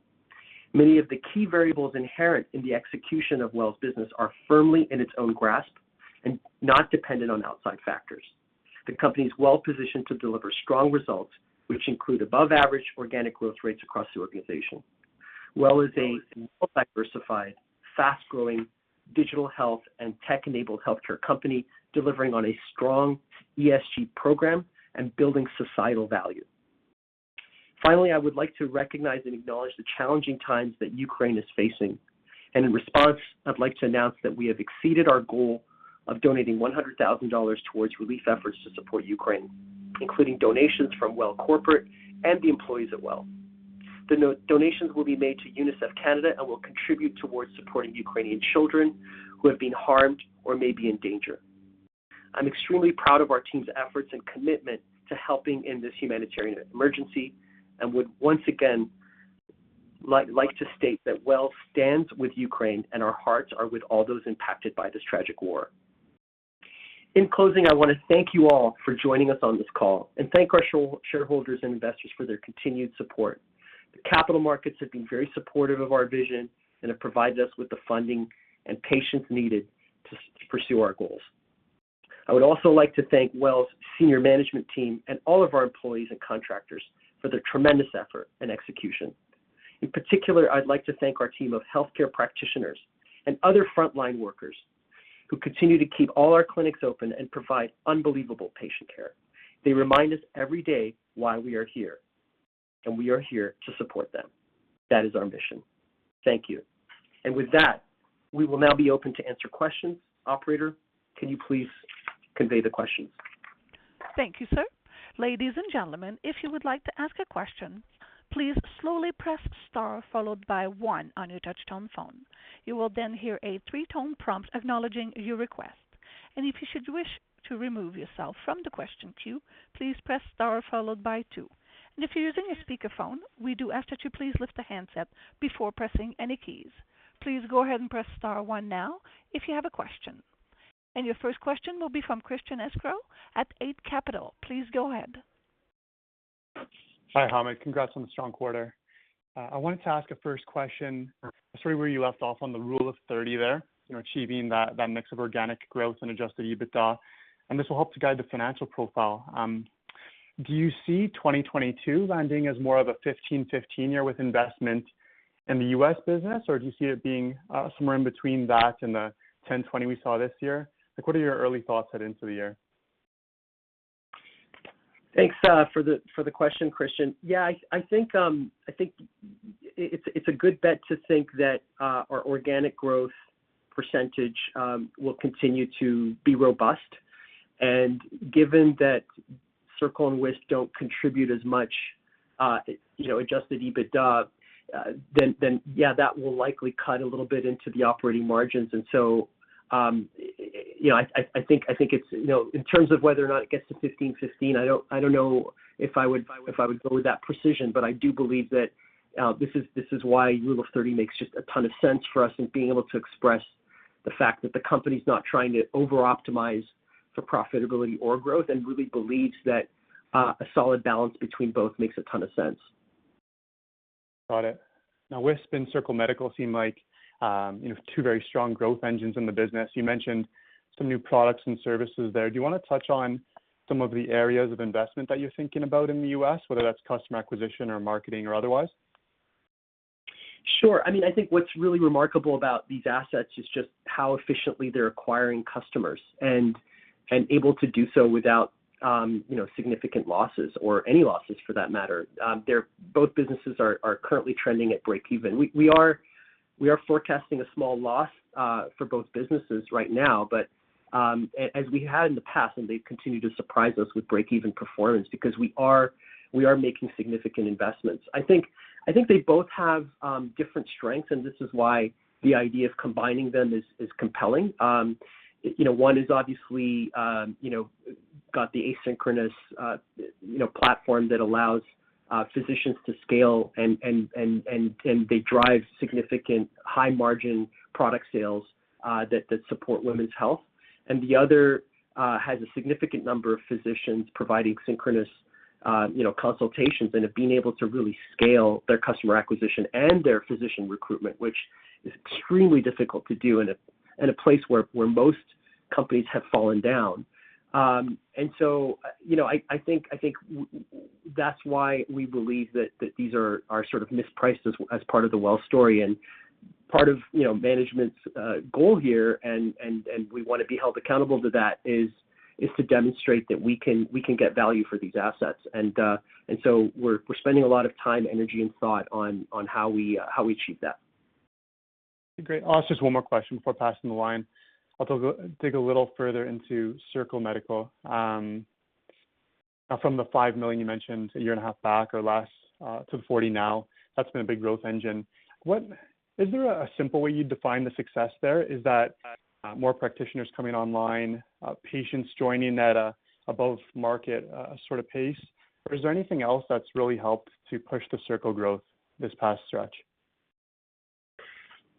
Many of the key variables inherent in the execution of WELL's business are firmly in its own grasp and not dependent on outside factors. The company is well positioned to deliver strong results, which include above average organic growth rates across the organization. WELL is a well-diversified, fast-growing digital health and tech-enabled healthcare company delivering on a strong ESG program and building societal value. Finally, I would like to recognize and acknowledge the challenging times that Ukraine is facing. In response, I'd like to announce that we have exceeded our goal of donating 100,000 dollars towards relief efforts to support Ukraine, including donations from WELL corporate and the employees at WELL. The donations will be made to UNICEF Canada and will contribute towards supporting Ukrainian children who have been harmed or may be in danger. I'm extremely proud of our team's efforts and commitment to helping in this humanitarian emergency and would once again like to state that WELL stands with Ukraine and our hearts are with all those impacted by this tragic war. In closing, I want to thank you all for joining us on this call and thank our shareholders and investors for their continued support. The capital markets have been very supportive of our vision, and it provides us with the funding and patience needed to pursue our goals. I would also like to thank WELL's senior management team and all of our employees and contractors for their tremendous effort and execution. In particular, I'd like to thank our team of healthcare practitioners and other frontline workers who continue to keep all our clinics open and provide unbelievable patient care. They remind us every day why we are here, and we are here to support them. That is our mission. Thank you. With that, we will now be open to answer questions. Operator, can you please convey the questions? Thank you, sir. Ladies and gentlemen, if you would like to ask a question, please slowly press star followed by one on your touchtone phone. You will then hear a three-tone prompt acknowledging your request. If you should wish to remove yourself from the question queue, please press star followed by two. If you're using a speakerphone, we do ask that you please lift the handset before pressing any keys. Please go ahead and press star one now if you have a question. Your first question will be from Christian Sgro at Eight Capital. Please go ahead. Hi, Hamed. Congrats on the strong quarter. I wanted to ask a first question, sort of where you left off on the rule of thirty there, you know, achieving that mix of organic growth and adjusted EBITDA, and this will help to guide the financial profile. Do you see 2022 landing as more of a 15-15 year with investment in the U.S. business? Or do you see it being somewhere in between that and the 10-20 we saw this year? Like, what are your early thoughts heading into the year? Thanks for the question, Christian. Yeah, I think it's a good bet to think that our organic growth percentage will continue to be robust. Given that Circle and Wisp don't contribute as much, you know, adjusted EBITDA, then yeah, that will likely cut a little bit into the operating margins. You know, I think it's, you know, in terms of whether or not it gets to 15%-15%, I don't know if I would go with that precision. I do believe that this is why rule of thirty makes just a ton of sense for us in being able to express the fact that the company's not trying to over-optimize for profitability or growth and really believes that a solid balance between both makes a ton of sense. Got it. Now, Wisp and Circle Medical seem like, you know, two very strong growth engines in the business. You mentioned some new products and services there. Do you wanna touch on some of the areas of investment that you're thinking about in the U.S., whether that's customer acquisition or marketing or otherwise? Sure. I mean, I think what's really remarkable about these assets is just how efficiently they're acquiring customers and able to do so without, you know, significant losses or any losses for that matter. They're both businesses are currently trending at breakeven. We are forecasting a small loss for both businesses right now. As we had in the past, and they continue to surprise us with breakeven performance because we are making significant investments. I think they both have different strengths, and this is why the idea of combining them is compelling. You know, one is obviously, you know, got the asynchronous platform that allows physicians to scale and they drive significant high-margin product sales that support women's health. The other has a significant number of physicians providing synchronous, you know, consultations and have been able to really scale their customer acquisition and their physician recruitment, which is extremely difficult to do in a place where most companies have fallen down. So, you know, I think that's why we believe that these are sort of mispriced as part of the WELL story. Part of, you know, management's goal here and we wanna be held accountable to that is to demonstrate that we can get value for these assets. So we're spending a lot of time, energy, and thought on how we achieve that. Great. I'll ask just one more question before passing the line. I'll go dig a little further into Circle Medical. From the 5 million you mentioned a year and a half back or less to 40 million now, that's been a big growth engine. Is there a simple way you'd define the success there? Is that more practitioners coming online, patients joining at an above-market sort of pace? Or is there anything else that's really helped to push the Circle growth this past stretch?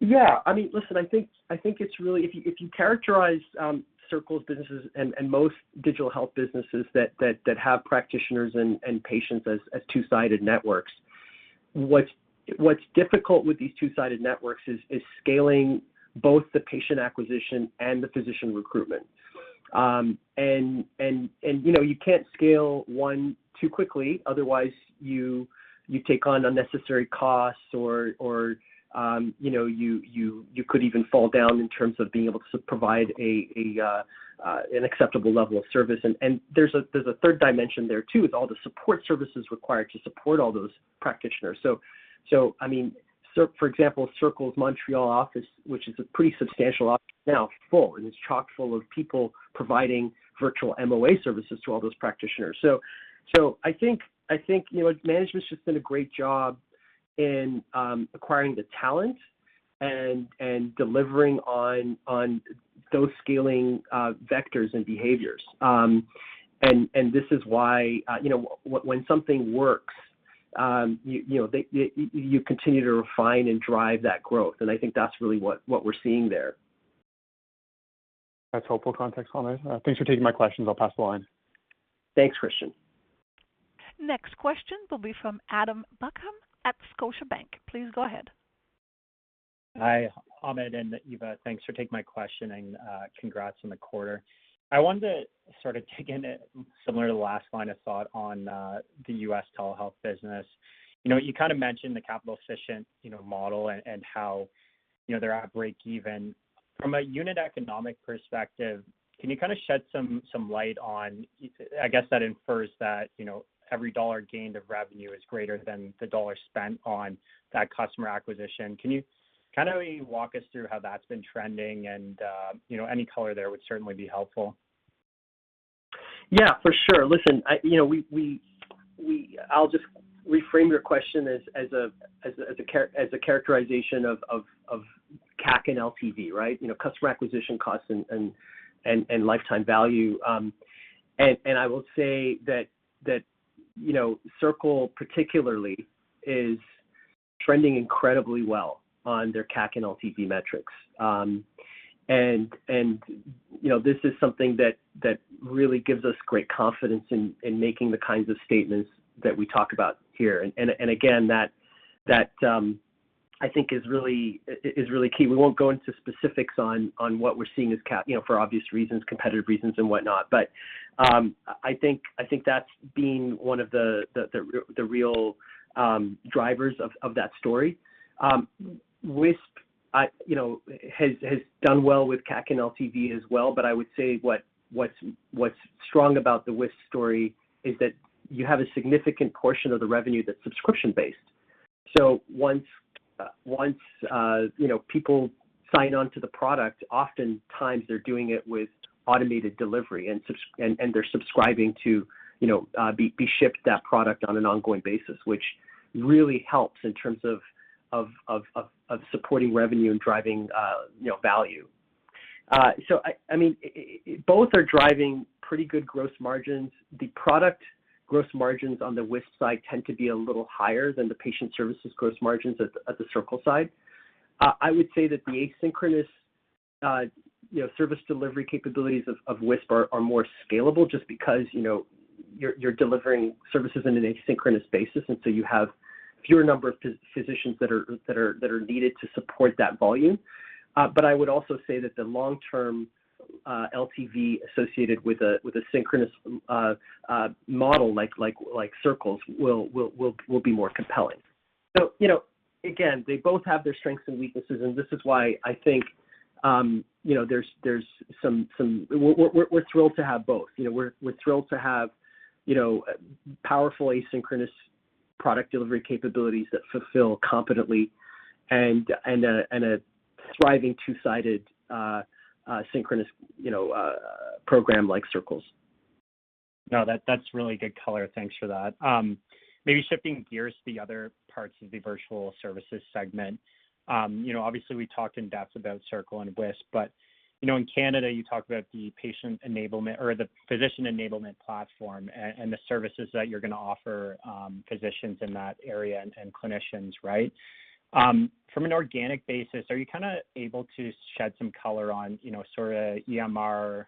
Yeah, I mean, listen, I think it's really if you characterize Circle's businesses and most digital health businesses that have practitioners and patients as two-sided networks. What's difficult with these two-sided networks is scaling both the patient acquisition and the physician recruitment. You know, you can't scale one too quickly, otherwise you take on unnecessary costs or you know, you could even fall down in terms of being able to provide an acceptable level of service. There's a third dimension there too, with all the support services required to support all those practitioners. I mean, for example, Circle Medical's Montreal office, which is a pretty substantial office now full, and it's chock full of people providing virtual MOA services to all those practitioners. I think, you know what? Management's just done a great job in acquiring the talent and delivering on those scaling vectors and behaviors. This is why, you know, when something works, you know, you continue to refine and drive that growth, and I think that's really what we're seeing there. That's helpful context, Hamed. Thanks for taking my questions. I'll pass the line. Thanks, Christian. Next question will be from Adam Buckham at Scotiabank. Please go ahead. Hi, Hamed and Eva. Thanks for taking my question and, congrats on the quarter. I wanted to sort of dig in similar to the last line of thought on, the U.S. telehealth business. You know, you kind of mentioned the capital efficient, you know, model and how, you know, they're at breakeven. From a unit economics perspective, can you kind of shed some light on. I guess that infers that, you know, every dollar gained of revenue is greater than the dollar spent on that customer acquisition. Can you kinda walk us through how that's been trending and, you know, any color there would certainly be helpful. Yeah, for sure. Listen, you know, we'll just reframe your question as a characterization of CAC and LTV, right? You know, customer acquisition costs and lifetime value. I will say that you know, Circle particularly is trending incredibly well on their CAC and LTV metrics. You know, this is something that really gives us great confidence in making the kinds of statements that we talk about here. Again, that I think is really key. We won't go into specifics on what we're seeing, you know, for obvious reasons, competitive reasons and whatnot. I think that's been one of the real drivers of that story. Wisp, I... You know, has done well with CAC and LTV as well, but I would say what's strong about the Wisp story is that you have a significant portion of the revenue that's subscription-based. Once you know, people sign on to the product, oftentimes they're doing it with automated delivery and subs, and they're subscribing to you know, be shipped that product on an ongoing basis, which really helps in terms of supporting revenue and driving you know, value. I mean, both are driving pretty good gross margins. The product gross margins on the Wisp side tend to be a little higher than the patient services gross margins at the Circle side. I would say that the asynchronous, you know, service delivery capabilities of Wisp are more scalable just because, you know, you're delivering services in an asynchronous basis, and so you have fewer number of physicians that are needed to support that volume. But I would also say that the long-term LTV associated with a synchronous model like Circle's will be more compelling. You know, again, they both have their strengths and weaknesses and this is why I think, you know, there's some. We're thrilled to have both. You know, we're thrilled to have, you know, powerful asynchronous product delivery capabilities that fulfill competently and a thriving two-sided synchronous, you know, program like Circle's. No, that's really good color. Thanks for that. Maybe shifting gears to the other parts of the virtual services segment. You know, obviously we talked in depth about Circle and Wisp, but you know, in Canada, you talked about the patient enablement or the physician enablement platform and the services that you're gonna offer, physicians in that area and clinicians, right? From an organic basis, are you kinda able to shed some color on, you know, sort of EMR,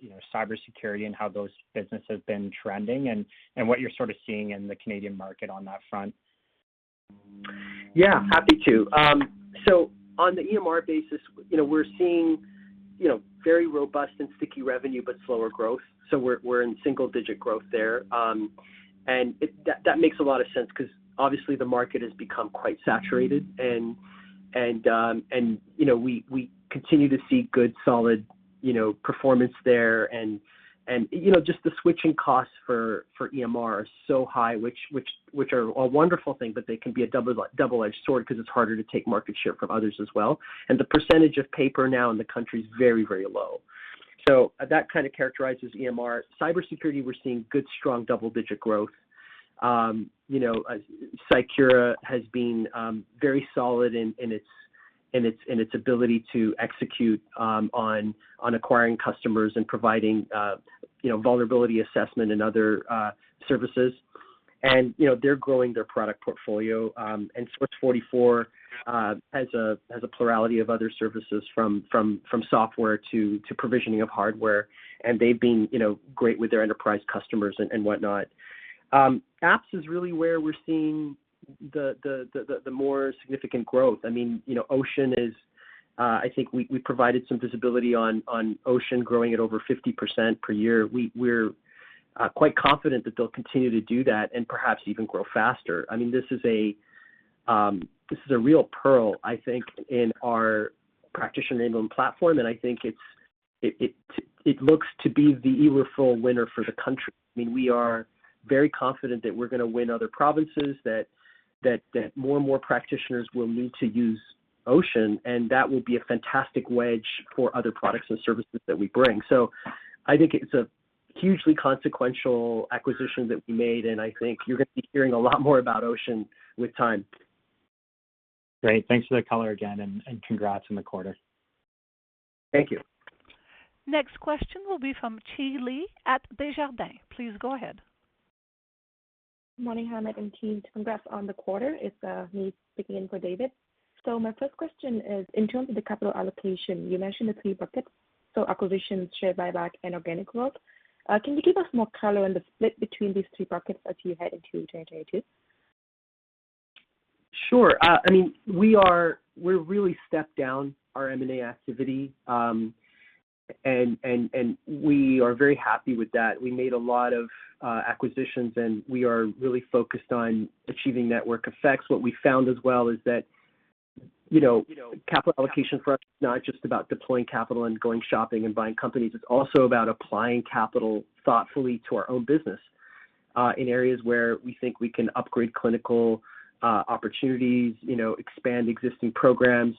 you know, cybersecurity and how those businesses have been trending and what you're sort of seeing in the Canadian market on that front? Yeah. Happy to. On the EMR basis, you know, we're seeing, you know, very robust and sticky revenue, but slower growth. We're in single-digit growth there. That makes a lot of sense 'cause obviously the market has become quite saturated, and you know, we continue to see good solid, you know, performance there. You know, just the switching costs for EMR are so high, which are a wonderful thing, but they can be a double-edged sword 'cause it's harder to take market share from others as well. The percentage of paper now in the country is very low. That kind of characterizes EMR. Cybersecurity, we're seeing good, strong double-digit growth. You know, Cycura has been very solid in its ability to execute on acquiring customers and providing, you know, vulnerability assessment and other services. You know, they're growing their product portfolio. Source 44 has a plurality of other services from software to provisioning of hardware. They've been, you know, great with their enterprise customers and whatnot. Apps is really where we're seeing the more significant growth. I mean, you know, Ocean, I think we provided some visibility on Ocean growing at over 50% per year. We're quite confident that they'll continue to do that and perhaps even grow faster. I mean, this is a real pearl, I think, in our practitioner-enabling platform, and I think it looks to be the eReferral winner for the country. I mean, we are very confident that we're gonna win other provinces, that more and more practitioners will need to use Ocean, and that will be a fantastic wedge for other products and services that we bring. I think it's a hugely consequential acquisition that we made, and I think you're gonna be hearing a lot more about Ocean with time. Great. Thanks for the color again and congrats on the quarter. Thank you. Next question will be from Chi Le at Desjardins. Please go ahead. Morning, Hamed and team. Congrats on the quarter. It's me speaking in for David. My first question is in terms of the capital allocation, you mentioned the three buckets, so acquisitions, share buyback and organic growth. Can you give us more color on the split between these three buckets as you head into 2022? Sure. I mean, we really stepped down our M&A activity, and we are very happy with that. We made a lot of acquisitions, and we are really focused on achieving network effects. What we found as well is that, you know, capital allocation for us is not just about deploying capital and going shopping and buying companies, it's also about applying capital thoughtfully to our own business in areas where we think we can upgrade clinical opportunities, you know, expand existing programs.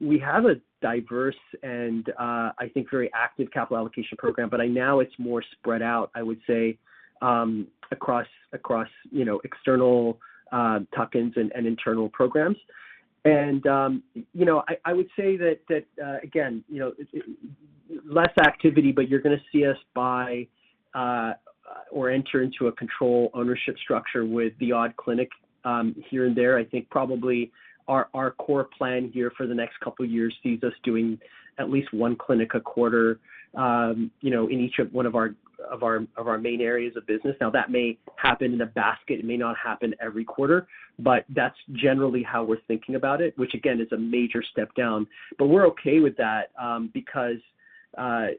We have a diverse and I think very active capital allocation program. I know it's more spread out, I would say, across, you know, external tuck-ins and internal programs. You know, I would say that again, you know, less activity, but you're gonna see us buy or enter into a control ownership structure with the odd clinic here and there. I think probably our core plan here for the next couple years sees us doing at least one clinic a quarter, you know, one of our main areas of business. Now, that may happen in a basket. It may not happen every quarter, but that's generally how we're thinking about it, which again, is a major step down. We're okay with that, because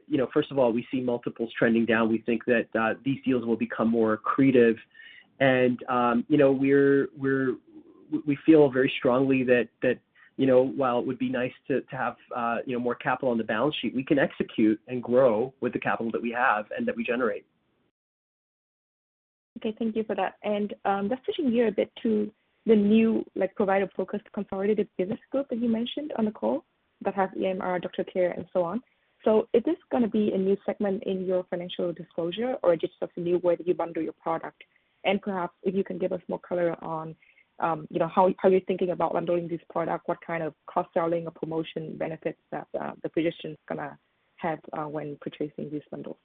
you know, first of all, we see multiples trending down. We think that these deals will become more accretive. You know, we feel very strongly that, you know, while it would be nice to have, you know, more capital on the balance sheet, we can execute and grow with the capital that we have and that we generate. Okay. Thank you for that. Just switching gear a bit to the new, like, provider-focused consolidated business group that you mentioned on the call that has EMR, DoctorCare, and so on. Is this gonna be a new segment in your financial disclosure or just a new way that you bundle your product? Perhaps if you can give us more color on, you know, how you're thinking about bundling this product, what kind of cross-selling or promotion benefits that, the physician's gonna have, when purchasing these bundles.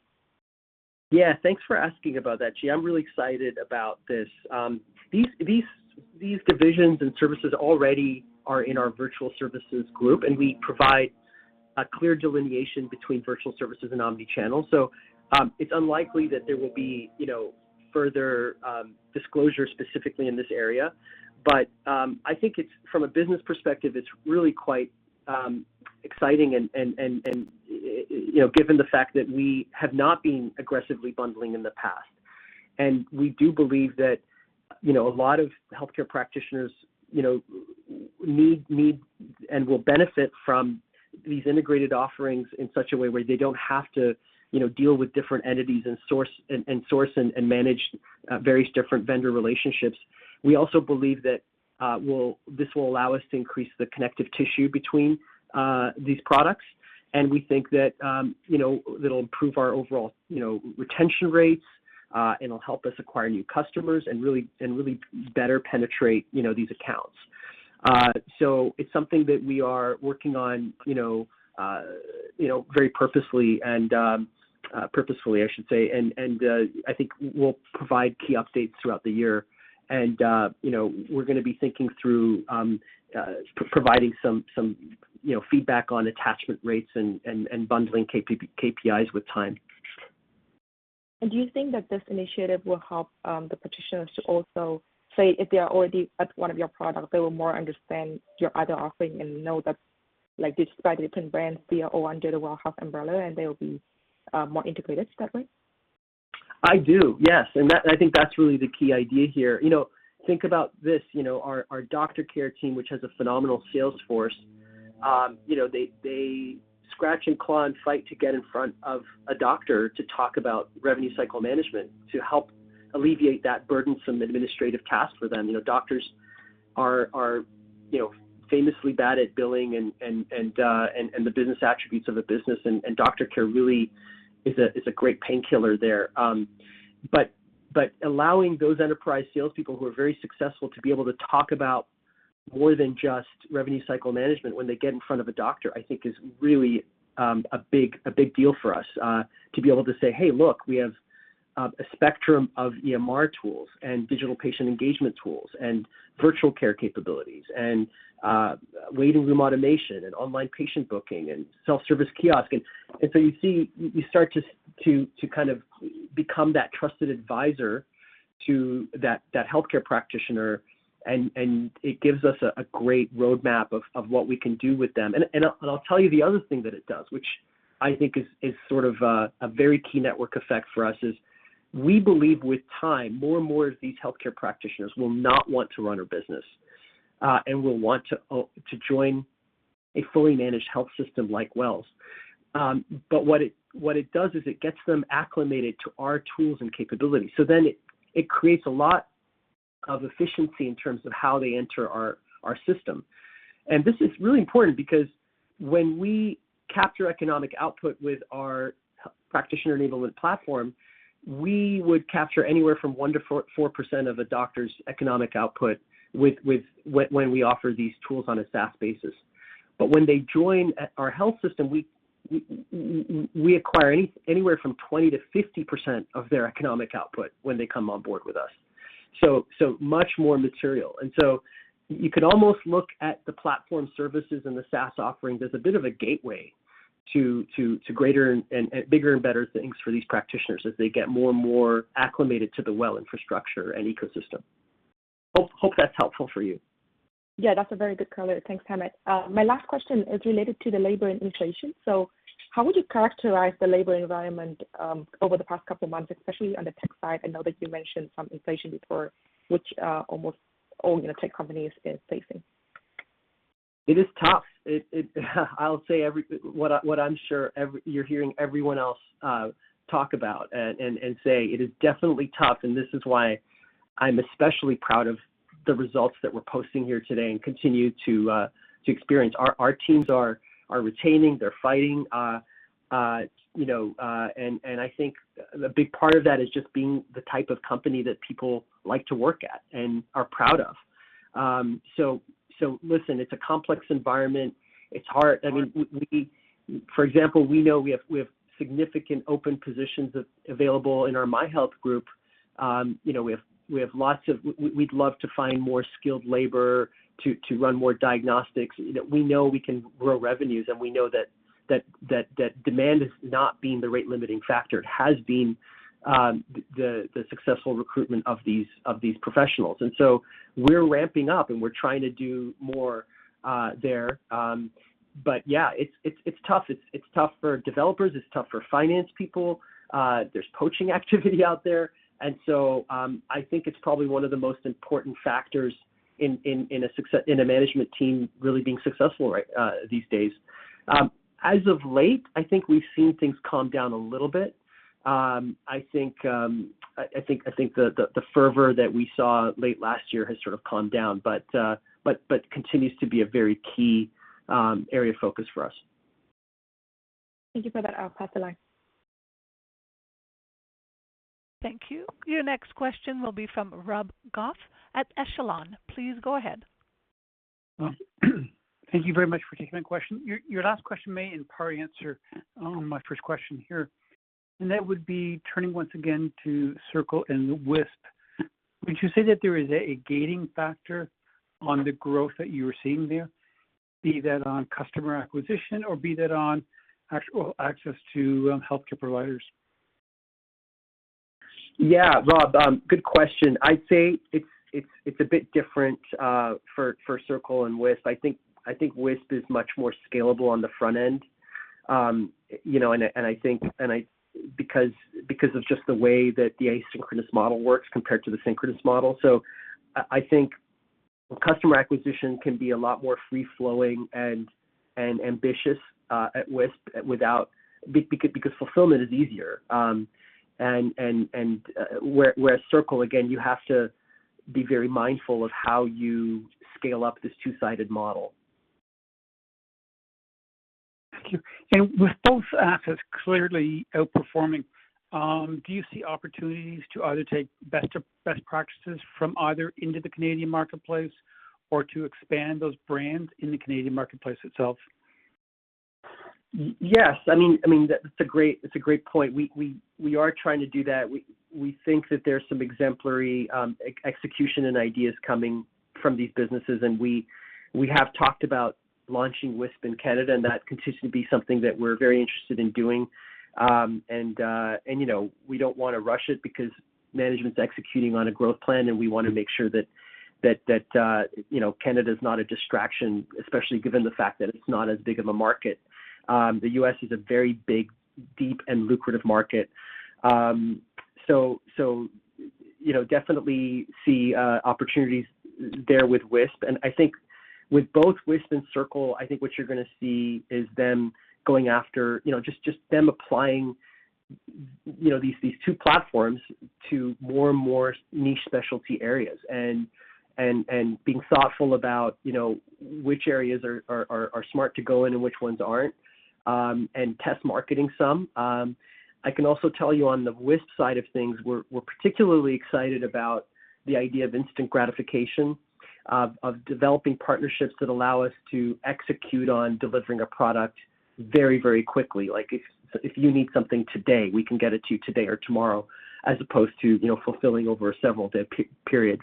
Yeah. Thanks for asking about that, Chi. I'm really excited about this. These divisions and services already are in our virtual services group, and we provide a clear delineation between virtual services and omni-channel. It's unlikely that there will be, you know, further disclosure specifically in this area. I think it's from a business perspective, it's really quite exciting and, you know, given the fact that we have not been aggressively bundling in the past. We do believe that, you know, a lot of healthcare practitioners, you know, need and will benefit from these integrated offerings in such a way where they don't have to, you know, deal with different entities and source and manage various different vendor relationships. We also believe that this will allow us to increase the connective tissue between these products, and we think that it'll improve our overall retention rates, it'll help us acquire new customers and better penetrate these accounts. So it's something that we are working on very purposefully, I should say. I think we'll provide key updates throughout the year. We're gonna be thinking through providing some feedback on attachment rates and bundling KPIs with time. Do you think that this initiative will help the practitioners to also say if they are already at one of your product, they will more understand your other offering and know that like despite the different brands, they are all under the WELL Health umbrella, and they will be more integrated that way? I do, yes. That I think that's really the key idea here. You know, think about this. You know, our DoctorCare team, which has a phenomenal sales force, you know, they scratch and claw and fight to get in front of a doctor to talk about revenue cycle management to help alleviate that burdensome administrative task for them. You know, doctors are, you know, famously bad at billing and the business attributes of a business and DoctorCare really is a great painkiller there. Allowing those enterprise salespeople who are very successful to be able to talk about more than just revenue cycle management when they get in front of a doctor, I think is really a big deal for us to be able to say, "Hey, look, we have a spectrum of EMR tools and digital patient engagement tools and virtual care capabilities and waiting room automation and online patient booking and self-service kiosk." You see, you start to kind of become that trusted advisor to that healthcare practitioner, and it gives us a great roadmap of what we can do with them. I'll tell you the other thing that it does, which I think is sort of a very key network effect for us is we believe with time, more and more of these healthcare practitioners will not want to run a business, and will want to join a fully managed health system like WELL's. What it does is it gets them acclimated to our tools and capabilities. It creates a lot of efficiency in terms of how they enter our system. This is really important because when we capture economic output with our practitioner enablement platform, we would capture anywhere from 1% to 4% of a doctor's economic output when we offer these tools on a SaaS basis. When they join at our health system, we acquire anywhere from 20% to 50% of their economic output when they come on board with us. Much more material. You could almost look at the platform services and the SaaS offerings as a bit of a gateway to greater and bigger and better things for these practitioners as they get more and more acclimated to the WELL infrastructure and ecosystem. Hope that's helpful for you. Yeah, that's a very good color. Thanks, Hamed. My last question is related to the labor and inflation. How would you characterize the labor environment over the past couple of months, especially on the tech side? I know that you mentioned some inflation before, which almost all, you know, tech companies is facing. It is tough. What I'm sure you're hearing everyone else talk about and say is definitely tough, and this is why I'm especially proud of the results that we're posting here today and continue to experience. Our teams are retaining, they're fighting, you know, and I think a big part of that is just being the type of company that people like to work at and are proud of. Listen, it's a complex environment. It's hard. I mean, for example, we know we have significant open positions available in our MyHealth group. We have lots of. We'd love to find more skilled labor to run more diagnostics. You know, we know we can grow revenues, and we know that demand has not been the rate-limiting factor. It has been the successful recruitment of these professionals. We're ramping up, and we're trying to do more there. Yeah, it's tough. It's tough for developers. It's tough for finance people. There's poaching activity out there. I think it's probably one of the most important factors in a management team really being successful right these days. As of late, I think we've seen things calm down a little bit. I think the fervor that we saw late last year has sort of calmed down, but continues to be a very key area of focus for us. Thank you for that. I'll pass the line. Thank you. Your next question will be from Rob Goff at Echelon. Please go ahead. Thank you very much for taking my question. Your last question may in part answer my first question here, and that would be turning once again to Circle and Wisp. Would you say that there is a gating factor on the growth that you were seeing there, be that on customer acquisition or be that on actual access to healthcare providers? Yeah. Rob, good question. I'd say it's a bit different for Circle and Wisp. I think Wisp is much more scalable on the front end. You know, I think because of just the way that the asynchronous model works compared to the synchronous model. I think customer acquisition can be a lot more free-flowing and ambitious at Wisp without because fulfillment is easier. Where Circle, again, you have to be very mindful of how you scale up this two-sided model. Thank you. With both assets clearly outperforming, do you see opportunities to either take best practices from either into the Canadian marketplace or to expand those brands in the Canadian marketplace itself? Yes. I mean, that's a great point. We are trying to do that. We think that there's some exemplary execution and ideas coming from these businesses, and we have talked about launching Wisp in Canada, and that continues to be something that we're very interested in doing. You know, we don't wanna rush it because management's executing on a growth plan, and we wanna make sure that you know, Canada's not a distraction, especially given the fact that it's not as big of a market. The U.S. is a very big, deep, and lucrative market. You know, definitely see opportunities there with Wisp. I think with both Wisp and Circle, I think what you're gonna see is them going after, you know, just them applying, you know, these two platforms to more and more niche specialty areas and being thoughtful about, you know, which areas are smart to go in and which ones aren't, and test marketing some. I can also tell you on the Wisp side of things, we're particularly excited about the idea of instant gratification of developing partnerships that allow us to execute on delivering a product very, very quickly. Like, if you need something today, we can get it to you today or tomorrow as opposed to, you know, fulfilling over a several-day period.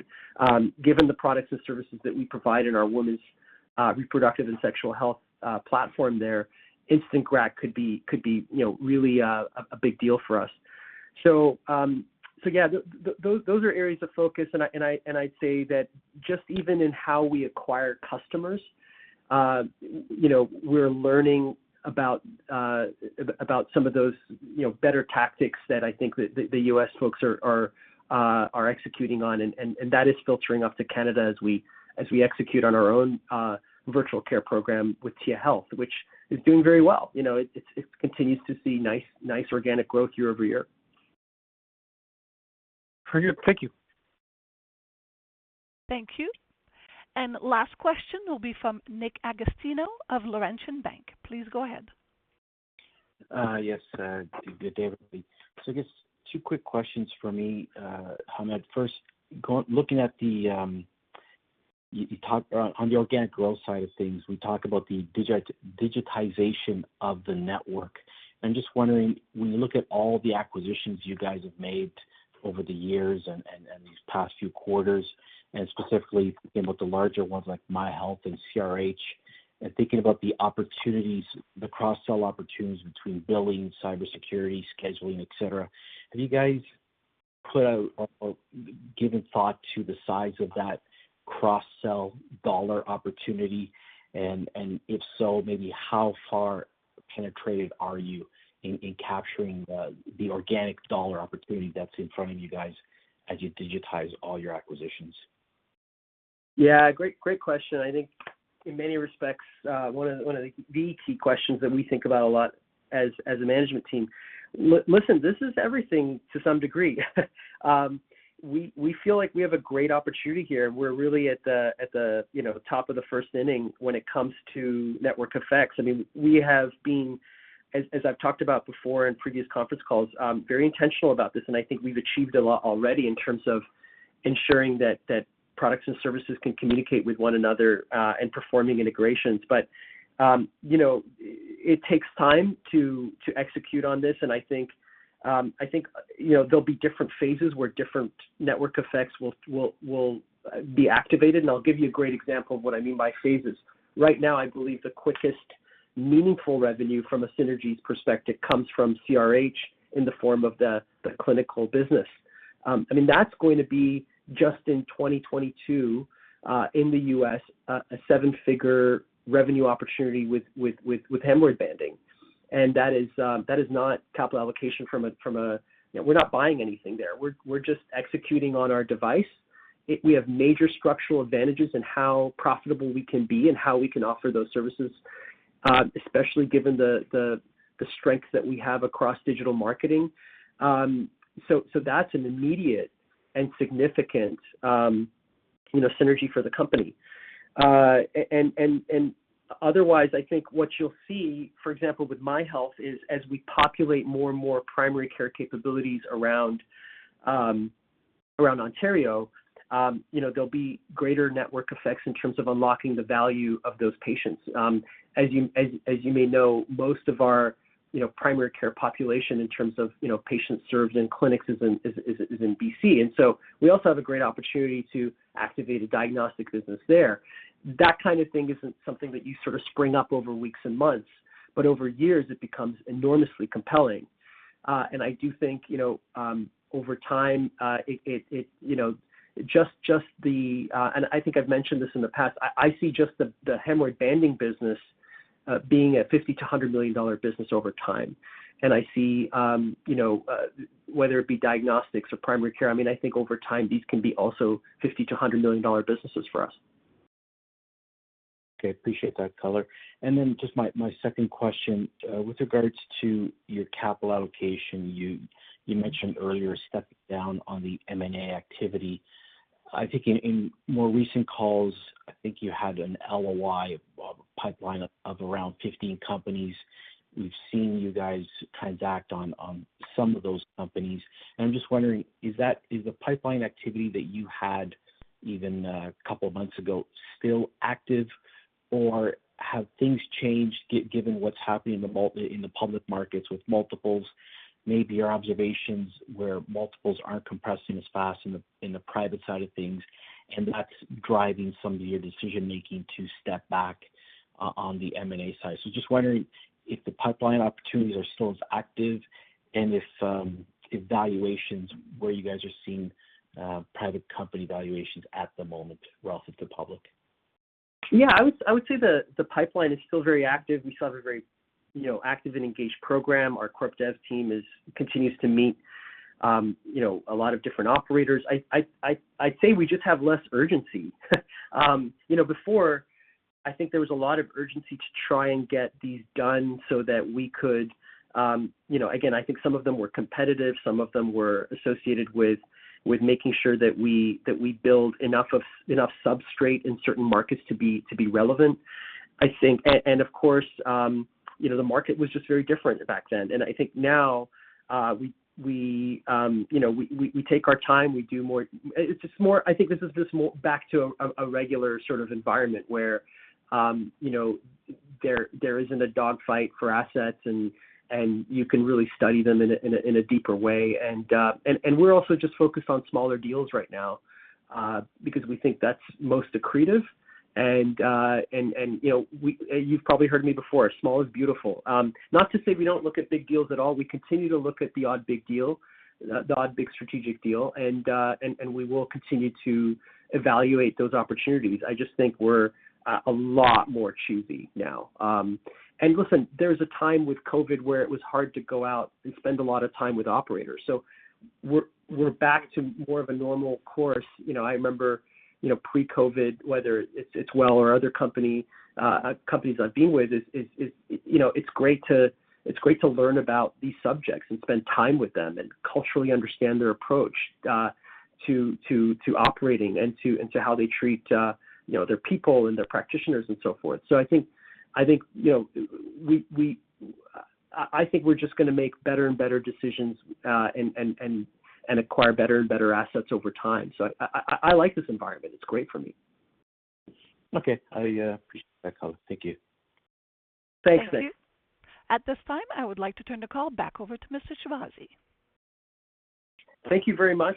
Given the products and services that we provide in our women's reproductive and sexual health platform there, instant grat could be you know, really a big deal for us. Yeah, those are areas of focus, and I'd say that just even in how we acquire customers, you know, we're learning about about some of those, you know, better tactics that I think that the U.S. folks are executing on, and that is filtering up to Canada as we execute on our own virtual care program with Tia Health, which is doing very well. You know, it continues to see nice organic growth year over year. Very good. Thank you. Thank you. Last question will be from Nick Agostino of Laurentian Bank. Please go ahead. Yes, good day, everybody. I guess two quick questions from me, Hamed. First, looking at the or on the organic growth side of things, we talked about the digitization of the network. I'm just wondering, when you look at all the acquisitions you guys have made over the years and these past few quarters, and specifically again with the larger ones like MyHealth and CRH, and thinking about the opportunities, the cross-sell opportunities between billing, cybersecurity, scheduling, et cetera, have you guys put out or given thought to the size of that cross-sell dollar opportunity? And if so, maybe how far penetrated are you in capturing the organic dollar opportunity that's in front of you guys as you digitize all your acquisitions? Yeah, great question. I think in many respects, one of the key questions that we think about a lot as a management team. Listen, this is everything to some degree. We feel like we have a great opportunity here, and we're really at the top of the first inning when it comes to network effects. I mean, we have been, as I've talked about before in previous conference calls, very intentional about this, and I think we've achieved a lot already in terms of ensuring that products and services can communicate with one another in performing integrations. It takes time to execute on this, and I think you know, there'll be different phases where different network effects will be activated, and I'll give you a great example of what I mean by phases. Right now I believe the quickest meaningful revenue from a synergies perspective comes from CRH in the form of the clinical business. I mean, that's going to be just in 2022, in the U.S. a seven-figure revenue opportunity with hemorrhoid banding. That is not capital allocation from a. You know, we're not buying anything there. We're just executing on our device. We have major structural advantages in how profitable we can be and how we can offer those services, especially given the strength that we have across digital marketing. That's an immediate and significant, you know, synergy for the company. Otherwise I think what you'll see, for example, with MyHealth is as we populate more and more primary care capabilities around Ontario, you know, there'll be greater network effects in terms of unlocking the value of those patients. As you may know, most of our, you know, primary care population in terms of, you know, patients served in clinics is in B.C. We also have a great opportunity to activate a diagnostic business there. That kind of thing isn't something that you sort of spring up over weeks and months, but over years it becomes enormously compelling. I think I've mentioned this in the past. I see just the hemorrhoid banding business being a $50 million to $100 million business over time. I see, you know, whether it be diagnostics or primary care, I mean, I think over time these can be also $50 million to $100 million businesses for us. Okay. Appreciate that color. Just my second question with regards to your capital allocation. You mentioned earlier stepping down on the M&A activity. I think in more recent calls, I think you had an LOI pipeline of around 15 companies. We've seen you guys transact on some of those companies. I'm just wondering, is that the pipeline activity that you had even a couple of months ago still active, or have things changed given what's happening in the public markets with multiples? Maybe your observations where multiples aren't compressing as fast in the private side of things, and that's driving some of your decision-making to step back on the M&A side. Just wondering if the pipeline opportunities are still as active and if valuations where you guys are seeing private company valuations at the moment relative to public? Yeah. I would say the pipeline is still very active. We still have a very, you know, active and engaged program. Our corp dev team continues to meet, you know, a lot of different operators. I'd say we just have less urgency. You know, before I think there was a lot of urgency to try and get these done so that we could. You know, again, I think some of them were competitive, some of them were associated with making sure that we build enough substrate in certain markets to be relevant. Of course, you know, the market was just very different back then. I think now, we take our time, we do more. It's just more back to a regular sort of environment where, you know, there isn't a dogfight for assets and you can really study them in a deeper way. We're also just focused on smaller deals right now because we think that's most accretive and you know, you've probably heard me before, small is beautiful. Not to say we don't look at big deals at all. We continue to look at the odd big deal, the odd big strategic deal, and we will continue to evaluate those opportunities. I just think we're a lot more choosy now. Listen, there's a time with COVID where it was hard to go out and spend a lot of time with operators. We're back to more of a normal course. You know, I remember, you know, pre-COVID, whether it's WELL or other companies I've been with is you know it's great to learn about these subjects and spend time with them and culturally understand their approach to operating and to how they treat you know their people and their practitioners and so forth. I think you know we I think we're just gonna make better and better decisions and acquire better and better assets over time. I like this environment. It's great for me. Okay. I appreciate that, Hamed. Thank you. Thanks, Nick. Thank you. At this time, I would like to turn the call back over to Mr. Shahbazi. Thank you very much,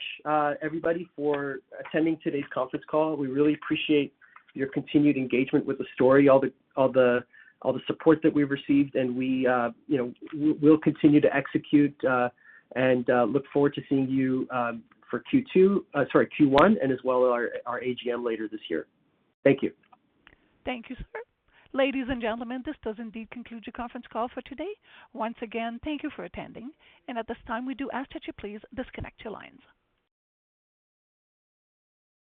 everybody for attending today's conference call. We really appreciate your continued engagement with the story, all the support that we've received. We'll continue to execute and look forward to seeing you for Q2, sorry, Q1 and as well our AGM later this year. Thank you. Thank you, sir. Ladies and gentlemen, this does indeed conclude your conference call for today. Once again, thank you for attending. At this time, we do ask that you please disconnect your lines.